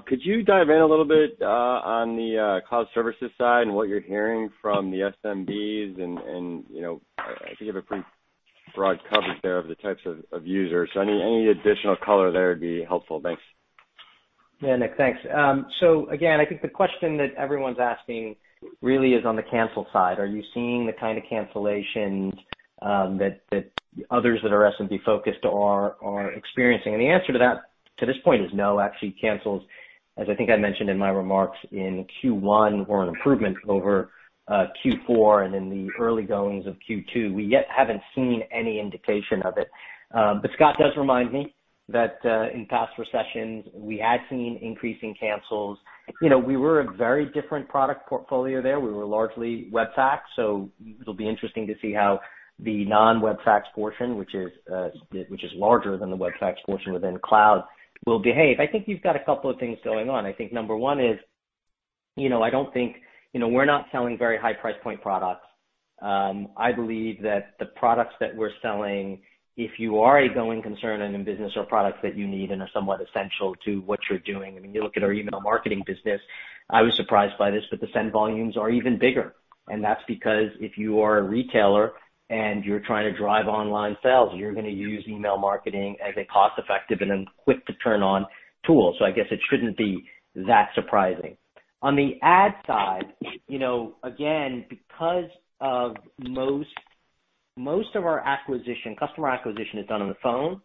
Could you dive in a little bit on the cloud services side and what you're hearing from the SMBs? I think you have a pretty broad coverage there of the types of users. Any additional color there would be helpful. Thanks. Yeah, Nick. Thanks. Again, I think the question that everyone's asking really is on the cancel side. Are you seeing the kind of cancellations that others that are SMB focused are experiencing? The answer to that, to this point, is no. Actually cancels, as I think I mentioned in my remarks in Q1, were an improvement over Q4 and in the early goings of Q2. We yet haven't seen any indication of it. Scott does remind me, that in past recessions, we had seen increasing cancels. We were a very different product portfolio there. We were largely web fax. It'll be interesting to see how the non-web fax portion, which is larger than the web fax portion within cloud, will behave. I think you've got a couple of things going on. I think number one is, we're not selling very high price point products. I believe that the products that we're selling, if you are a going concern in business or products that you need and are somewhat essential to what you're doing. I mean, you look at our email marketing business, I was surprised by this, the send volumes are even bigger. That's because if you are a retailer and you're trying to drive online sales, you're going to use email marketing as a cost-effective and quick to turn on tool. I guess it shouldn't be that surprising. On the ad side, again, because most of our customer acquisition is done on the phone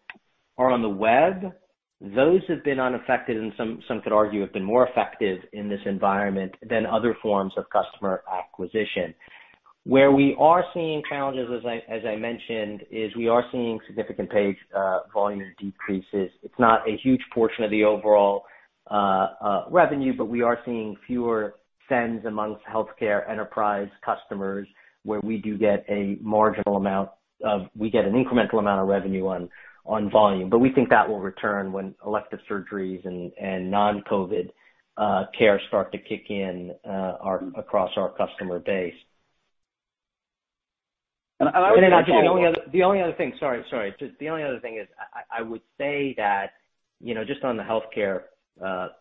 or on the web, those have been unaffected and some could argue have been more effective in this environment than other forms of customer acquisition. Where we are seeing challenges, as I mentioned, is we are seeing significant page volume decreases. It's not a huge portion of the overall revenue, but we are seeing fewer sends amongst healthcare enterprise customers where we do get an incremental amount of revenue on volume. We think that will return when elective surgeries and non-COVID care start to kick in across our customer base. The only other thing, sorry. Just the only other thing is I would say that, just on the healthcare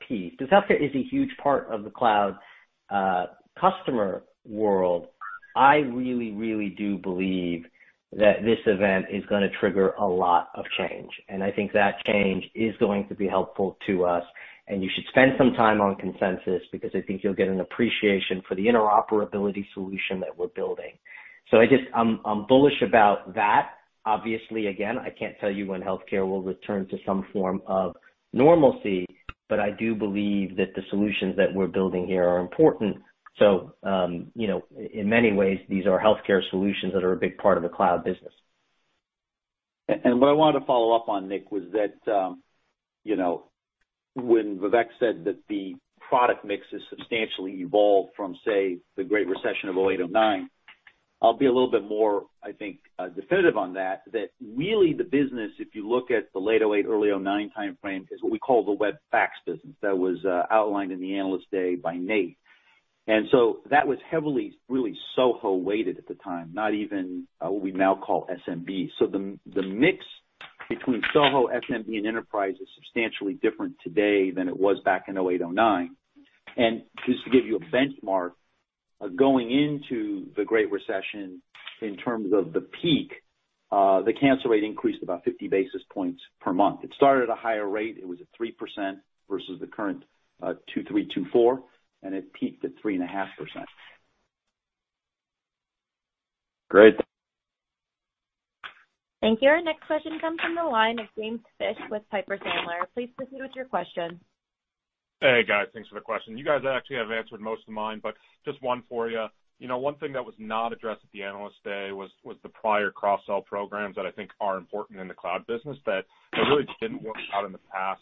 piece, because healthcare is a huge part of the cloud customer world, I really do believe that this event is going to trigger a lot of change. I think that change is going to be helpful to us, and you should spend some time on Consensus, because I think you'll get an appreciation for the interoperability solution that we're building. I'm bullish about that. Obviously, again, I can't tell you when healthcare will return to some form of normalcy, but I do believe that the solutions that we're building here are important. In many ways, these are healthcare solutions that are a big part of the cloud business. What I wanted to follow up on, Nick, was that when Vivek said that the product mix is substantially evolved from, say, the Great Recession of 2008, 2009, I'll be a little bit more, I think, definitive on that. Really the business, if you look at the late 2008, early 2009 timeframe, is what we call the cloud fax business that was outlined in the Analyst Day by Nate. That was heavily, really SOHO weighted at the time, not even what we now call SMB. The mix between SOHO, SMB, and Enterprise is substantially different today than it was back in 2008, 2009. Just to give you a benchmark, going into the Great Recession in terms of the peak, the cancel rate increased about 50 basis points per month. It started at a higher rate. It was at 3% versus the current 2.3, 2.4, and it peaked at 3.5%. Great. Thank you. Our next question comes from the line of James Fish with Piper Sandler. Please proceed with your question. Hey, guys. Thanks for the question. You guys actually have answered most of mine, but just one for you. One thing that was not addressed at the Analyst Day was the prior cross-sell programs that I think are important in the cloud business that really didn't work out in the past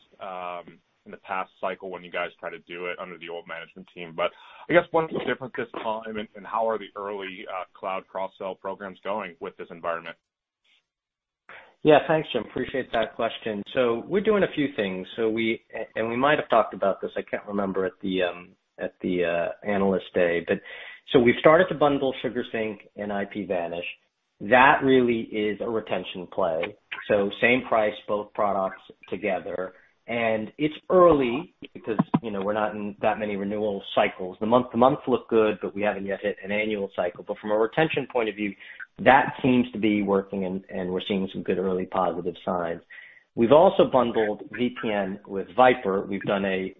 cycle when you guys tried to do it under the old management team. I guess one of the difference this time and how are the early cloud cross-sell programs going with this environment? Yeah, thanks, Jim. Appreciate that question. We're doing a few things. We might have talked about this, I can't remember, at the Analyst Day. We've started to bundle SugarSync and IPVanish. That really is a retention play. Same price, both products together. It's early because we're not in that many renewal cycles. The month-to-month look good, we haven't yet hit an annual cycle. From a retention point of view, that seems to be working, and we're seeing some good early positive signs. We've also bundled VPN with VIPRE.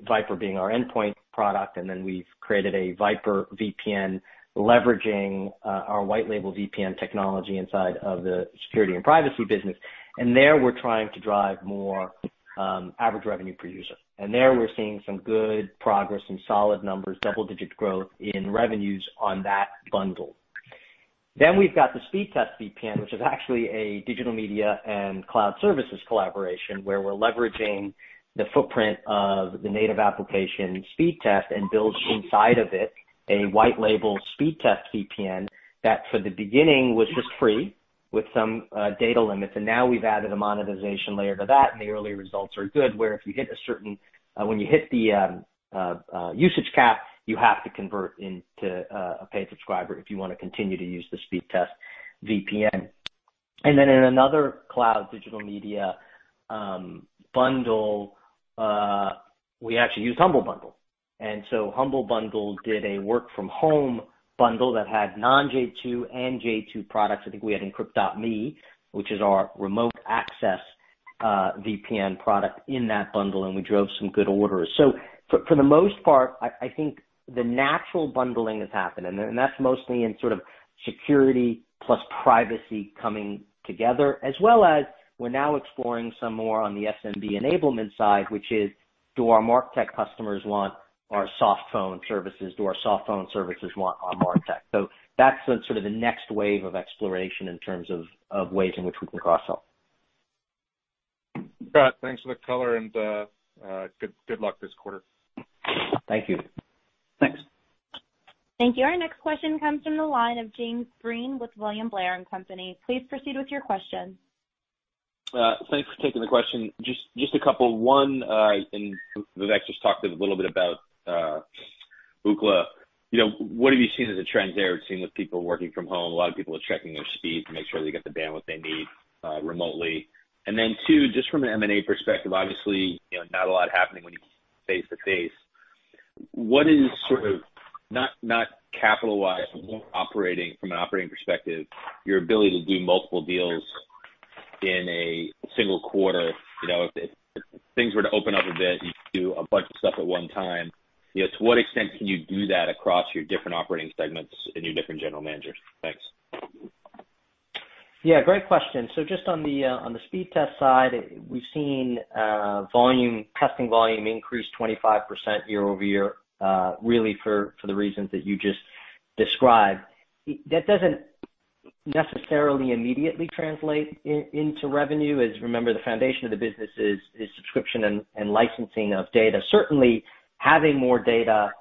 VIPRE being our endpoint product, and then we've created a VIPRE VPN leveraging our white label VPN technology inside of the security and privacy business. There, we're trying to drive more average revenue per user. There, we're seeing some good progress, some solid numbers, double-digit growth in revenues on that bundle. We've got the Speedtest VPN, which is actually a digital media and cloud services collaboration where we're leveraging the footprint of the native application Speedtest and builds inside of it a white label Speedtest VPN that for the beginning was just free with some data limits, and now we've added a monetization layer to that, and the early results are good. When you hit the usage cap, you have to convert into a paid subscriber if you want to continue to use the Speedtest VPN. In another Cloud Digital Media bundle, we actually used Humble Bundle. Humble Bundle did a work-from-home bundle that had non-J2 and J2 products. I think we had Encrypt.me, which is our remote access VPN product in that bundle, and we drove some good orders. For the most part, I think the natural bundling has happened, and that's mostly in sort of security plus privacy coming together, as well as we're now exploring some more on the SMB enablement side, which is, Do our MarTech customers want our softphone services? Do our softphone services want our MarTech? That's the next wave of exploration in terms of ways in which we can cross-sell. Scott, thanks for the color and good luck this quarter. Thank you. Thanks. Thank you. Our next question comes from the line of James Breen with William Blair & Company. Please proceed with your question. Thanks for taking the question. Just a couple. One, Vivek just talked a little bit about Ookla. What have you seen as a trend there? We've seen with people working from home, a lot of people are checking their speeds to make sure they get the bandwidth they need remotely. Then two, just from an M&A perspective, obviously, not a lot happening when you can't meet face-to-face. What is, not capital-wise, but from an operating perspective, your ability to do multiple deals in a single quarter? If things were to open up a bit, and you could do a bunch of stuff at one time, to what extent can you do that across your different operating segments and your different general managers? Thanks. Yeah, great question. Just on the Speedtest side, we've seen testing volume increase 25% year-over-year, really for the reasons that you just described. That doesn't necessarily immediately translate into revenue, as you remember, the foundation of the business is subscription and licensing of data. Certainly, having more data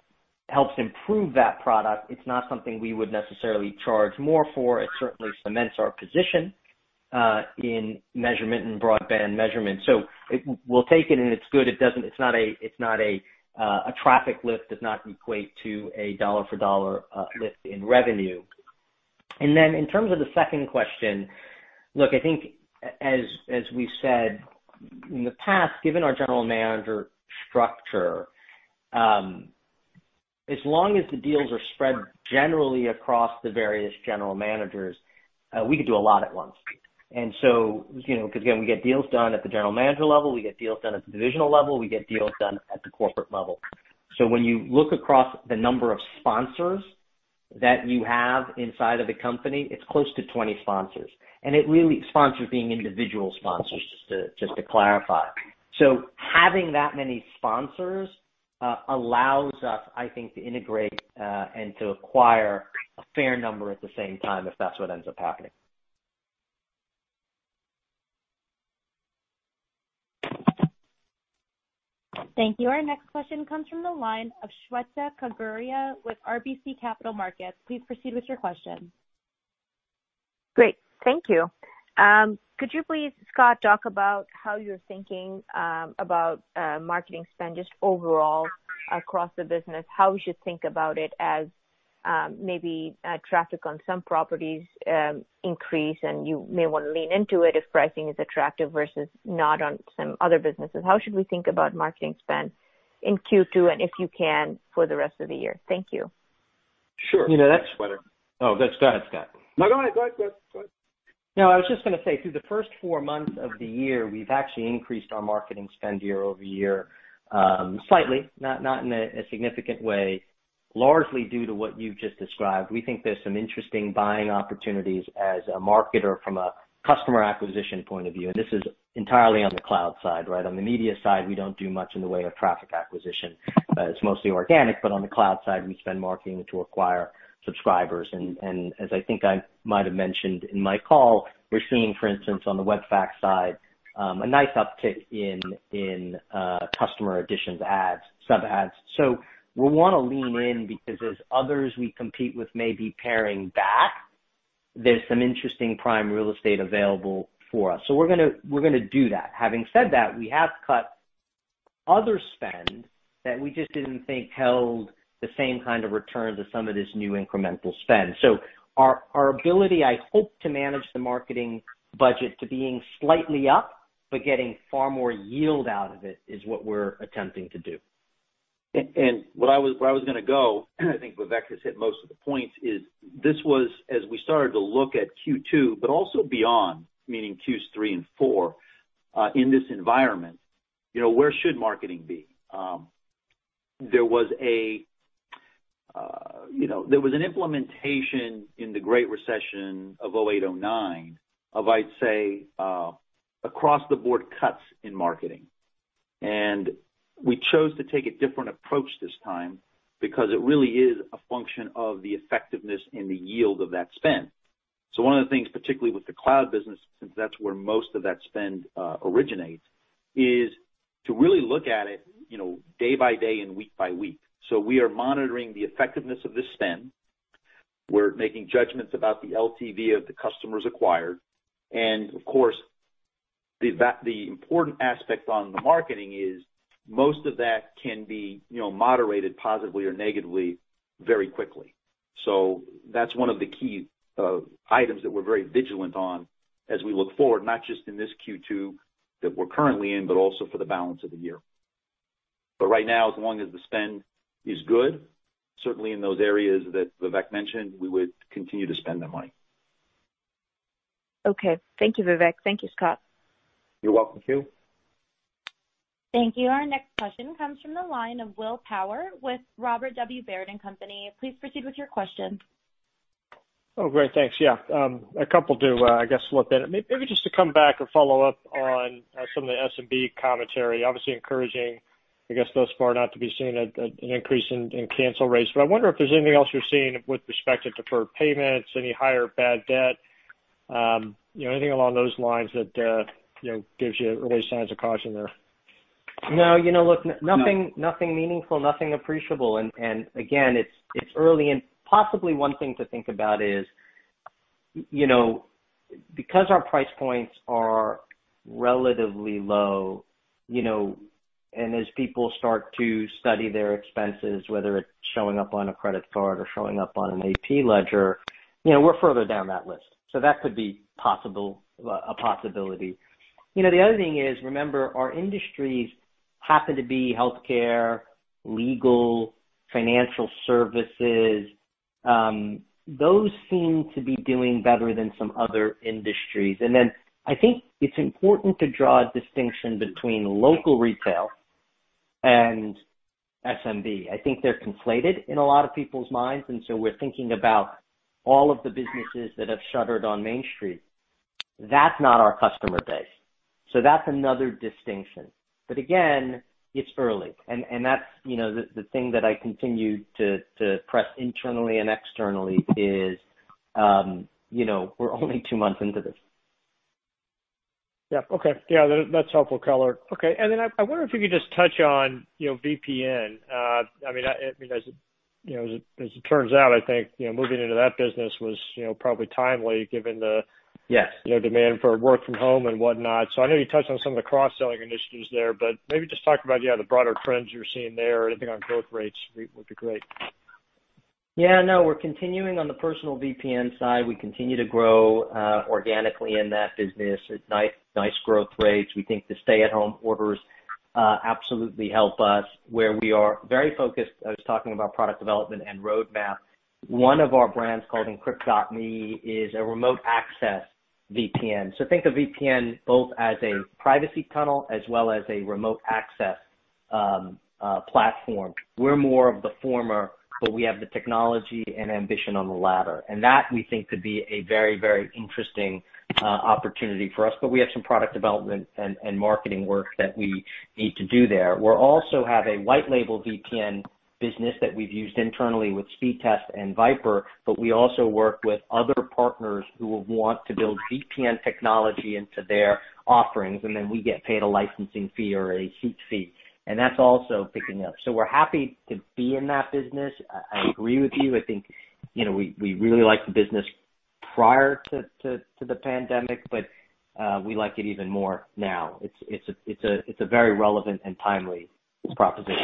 helps improve that product. It's not something we would necessarily charge more for. It certainly cements our position in measurement and broadband measurement. We'll take it, and it's good. A traffic lift does not equate to a dollar-for-dollar lift in revenue. In terms of the second question, look, I think as we've said in the past, given our general manager structure, as long as the deals are spread generally across the various general managers, we could do a lot at once. Because again, we get deals done at the general manager level, we get deals done at the divisional level, we get deals done at the corporate level. When you look across the number of sponsors that you have inside of the company, it's close to 20 sponsors. Sponsors being individual sponsors, just to clarify. Having that many sponsors allows us, I think, to integrate and to acquire a fair number at the same time, if that's what ends up happening. Thank you. Our next question comes from the line of Shweta Khajuria with RBC Capital Markets. Please proceed with your question. Great. Thank you. Could you please, Scott, talk about how you're thinking about marketing spend just overall across the business? How we should think about it as maybe traffic on some properties increase, and you may want to lean into it if pricing is attractive, versus not on some other businesses. How should we think about marketing spend in Q2, and if you can, for the rest of the year? Thank you. Sure. Oh, go ahead, Scott. No, go ahead. Go ahead. I was just going to say, through the first four months of the year, we've actually increased our marketing spend year-over-year, slightly, not in a significant way, largely due to what you've just described. We think there's some interesting buying opportunities as a marketer from a customer acquisition point of view, and this is entirely on the cloud side. On the digital media side, we don't do much in the way of traffic acquisition. It's mostly organic. On the cloud side, we spend marketing to acquire subscribers. As I think I might have mentioned in my call, we're seeing, for instance, on the eFax side, a nice uptick in customer additions, sub-adds. We want to lean in because as others we compete with may be paring back, there's some interesting prime real estate available for us. We're going to do that. Having said that, we have cut other spend that we just didn't think held the same kind of return as some of this new incremental spend. Our ability, I hope, to manage the marketing budget to being slightly up but getting far more yield out of it is what we're attempting to do. Where I was going to go, I think Vivek has hit most of the points, is this was as we started to look at Q2, but also beyond, meaning Q3 and Q4, in this environment, where should marketing be? There was an implementation in the Great Recession of 2008, 2009, of, I'd say, across-the-board cuts in marketing. We chose to take a different approach this time because it really is a function of the effectiveness and the yield of that spend. One of the things, particularly with the cloud business, since that's where most of that spend originates, is to really look at it day by day and week by week. We are monitoring the effectiveness of this spend. We're making judgments about the LTV of the customers acquired. Of course, the important aspect on the marketing is most of that can be moderated positively or negatively very quickly. That's one of the key items that we're very vigilant on as we look forward, not just in this Q2 that we're currently in, but also for the balance of the year. Right now, as long as the spend is good, certainly in those areas that Vivek mentioned, we would continue to spend the money. Okay. Thank you, Vivek. Thank you, Scott. You're welcome, Shweta. Thank you. Our next question comes from the line of Will Power with Robert W. Baird & Co.. Please proceed with your question. Oh, great. Thanks. Yeah. A couple do, I guess slip in. Maybe just to come back or follow up on some of the SMB commentary. Obviously encouraging, I guess thus far not to be seeing an increase in cancel rates, but I wonder if there's anything else you're seeing with respect to deferred payments, any higher bad debt, anything along those lines that gives you early signs of caution there? No, look, nothing meaningful, nothing appreciable. Again, it's early and possibly one thing to think about is, because our price points are relatively low, and as people start to study their expenses, whether it's showing up on a credit card or showing up on an AP ledger, we're further down that list. That could be a possibility. The other thing is, remember, our industries happen to be healthcare, legal, financial services. Those seem to be doing better than some other industries. I think it's important to draw a distinction between local retail and SMB. I think they're conflated in a lot of people's minds, we're thinking about all of the businesses that have shuttered on Main Street. That's not our customer base. That's another distinction. Again, it's early. That's the thing that I continue to press internally and externally is, we're only two months into this. Yeah. Okay. Yeah, that's helpful color. Okay. Then I wonder if you could just touch on VPN. As it turns out, I think, moving into that business was probably timely. Yes demand for work from home and whatnot. I know you touched on some of the cross-selling initiatives there, but maybe just talk about the broader trends you're seeing there or anything on growth rates would be great. Yeah, no, we're continuing on the personal VPN side. We continue to grow organically in that business at nice growth rates. We think the stay-at-home orders absolutely help us. Where we are very focused, I was talking about product development and roadmap. One of our brands called Encrypt.me is a remote access VPN. Think of VPN both as a privacy tunnel as well as a remote access platform. We're more of the former, but we have the technology and ambition on the latter. That we think could be a very interesting opportunity for us. We have some product development and marketing work that we need to do there. We also have a white label VPN business that we've used internally with Speedtest and VIPRE, but we also work with other partners who will want to build VPN technology into their offerings, and then we get paid a licensing fee or a seat fee, and that's also picking up. We're happy to be in that business. I agree with you. I think, we really liked the business prior to the pandemic, but we like it even more now. It's a very relevant and timely proposition.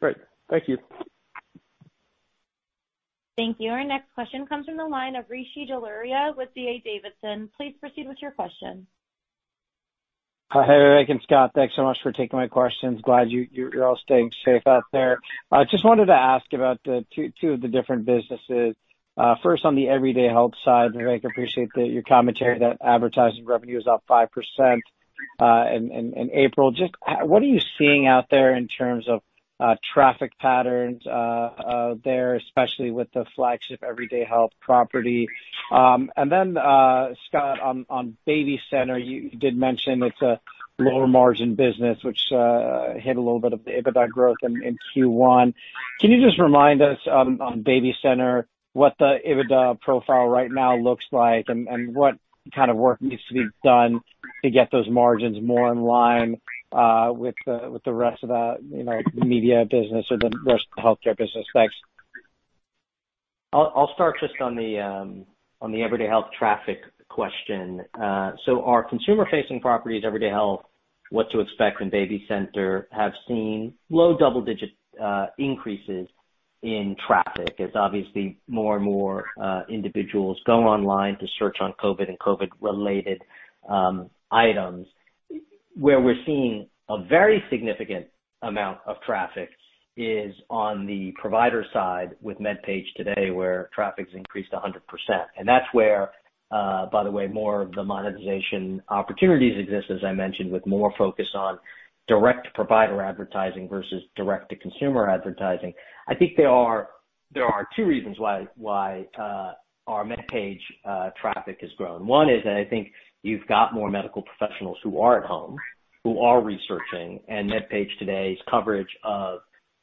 Great. Thank you. Thank you. Our next question comes from the line of Rishi Jaluria with D.A. Davidson. Please proceed with your question. Hi, Vivek and Scott, thanks so much for taking my questions. Glad you're all staying safe out there. I just wanted to ask about the two of the different businesses. First on the Everyday Health side, Vivek, appreciate your commentary that advertising revenue is up 5% in April. What are you seeing out there in terms of traffic patterns there, especially with the flagship Everyday Health property? Then, Scott, on BabyCenter, you did mention it's a lower margin business, which hit a little bit of the EBITDA growth in Q1. Can you just remind us on BabyCenter, what the EBITDA profile right now looks like and what kind of work needs to be done to get those margins more in line with the rest of the media business or the rest of the healthcare business? Thanks. I'll start just on the Everyday Health traffic question. Our consumer-facing properties, Everyday Health, What to Expect, and BabyCenter, have seen low double-digit increases in traffic as obviously more and more individuals go online to search on COVID and COVID-related items. Where we're seeing a very significant amount of traffic is on the provider side with MedPage Today, where traffic's increased 100%. That's where, by the way, more of the monetization opportunities exist, as I mentioned, with more focus on direct-to-provider advertising versus direct-to-consumer advertising. I think there are two reasons why our MedPage traffic has grown. One is that I think you've got more medical professionals who are at home, who are researching, and MedPage Today's coverage of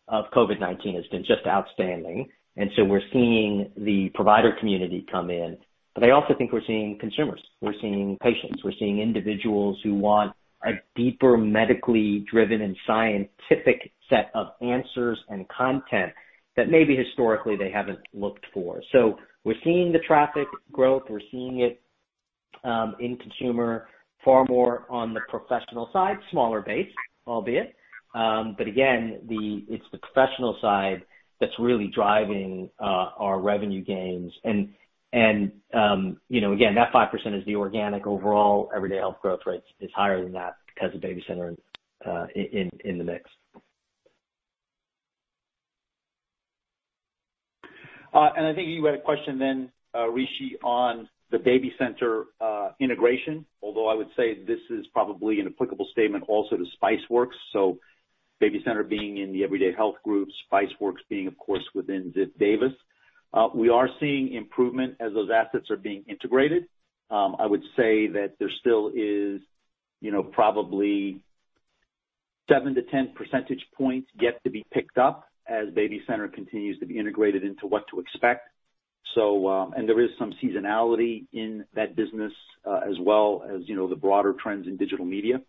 COVID-19 has been just outstanding. We're seeing the provider community come in. I also think we're seeing consumers, we're seeing patients, we're seeing individuals who want a deeper medically driven and scientific set of answers and content that maybe historically they haven't looked for. We're seeing the traffic growth. We're seeing it in consumer far more on the professional side, smaller base, albeit. Again, it's the professional side that's really driving our revenue gains. Again, that 5% is the organic overall Everyday Health growth rate is higher than that because of BabyCenter in the mix. I think you had a question then, Rishi, on the BabyCenter integration. I would say this is probably an applicable statement also to Spiceworks. BabyCenter being in the Everyday Health Group, Spiceworks being, of course, within Ziff Davis. We are seeing improvement as those assets are being integrated. I would say that there still is probably 7 percentage points-10 percentage points yet to be picked up as BabyCenter continues to be integrated into What to Expect. There is some seasonality in that business, as well as the broader trends in digital media.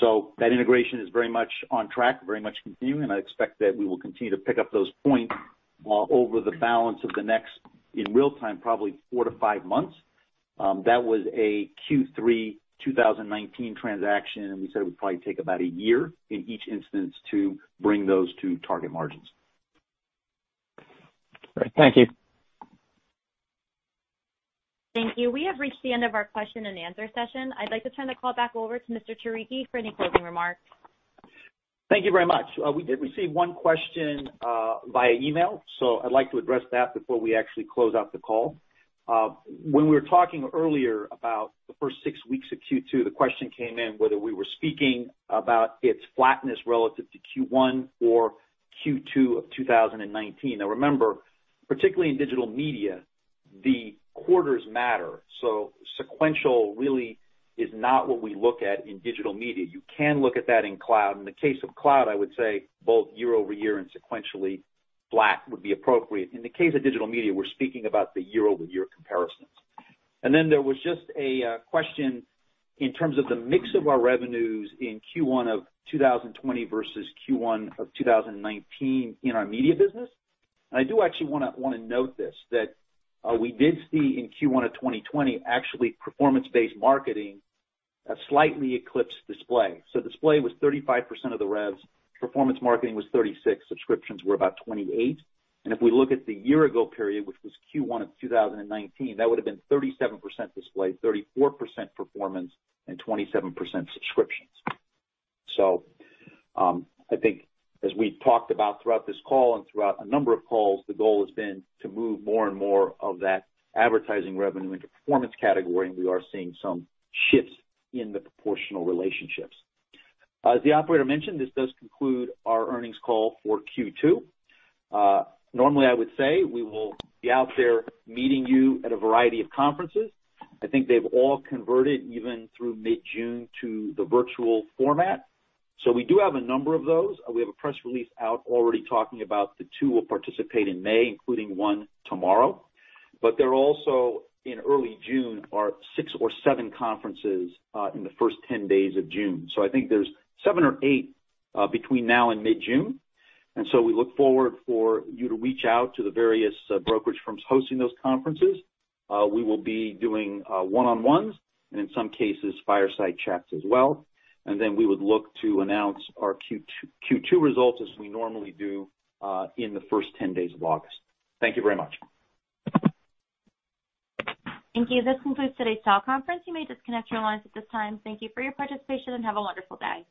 That integration is very much on track, very much continuing, and I expect that we will continue to pick up those points over the balance of the next, in real time, probably four to five months. That was a Q3 2019 transaction, and we said it would probably take about a year in each instance to bring those to target margins. Great. Thank you. Thank you. We have reached the end of our question and answer session. I'd like to turn the call back over to Mr. Turicchi for any closing remarks. Thank you very much. We did receive one question via email. I'd like to address that before we actually close out the call. When we were talking earlier about the first six weeks of Q2, the question came in whether we were speaking about its flatness relative to Q1 or Q2 of 2019. Remember, particularly in digital media, the quarters matter. Sequential really is not what we look at in digital media. You can look at that in cloud. In the case of cloud, I would say both year-over-year and sequentially flat would be appropriate. In the case of digital media, we're speaking about the year-over-year comparisons. There was just a question in terms of the mix of our revenues in Q1 of 2020 versus Q1 of 2019 in our media business. I do actually want to note this, that we did see in Q1 of 2020, actually, performance-based marketing slightly eclipsed display. Display was 35% of the revs, performance marketing was 36%, subscriptions were about 28%. If we look at the year ago period, which was Q1 of 2019, that would have been 37% display, 34% performance, and 27% subscriptions. I think as we talked about throughout this call and throughout a number of calls, the goal has been to move more and more of that advertising revenue into performance category, and we are seeing some shifts in the proportional relationships. As the operator mentioned, this does conclude our earnings call for Q2. Normally, I would say we will be out there meeting you at a variety of conferences. I think they've all converted, even through mid-June, to the virtual format. We do have a number of those. We have a press release out already talking about the two we'll participate in May, including one tomorrow. There also, in early June, are six or seven conferences in the first 10 days of June. I think there's seven or eight between now and mid-June. We look forward for you to reach out to the various brokerage firms hosting those conferences. We will be doing one-on-ones, and in some cases, fireside chats as well. We would look to announce our Q2 results as we normally do in the first 10 days of August. Thank you very much. Thank you. This concludes today's call conference. You may disconnect your lines at this time. Thank you for your participation, and have a wonderful day.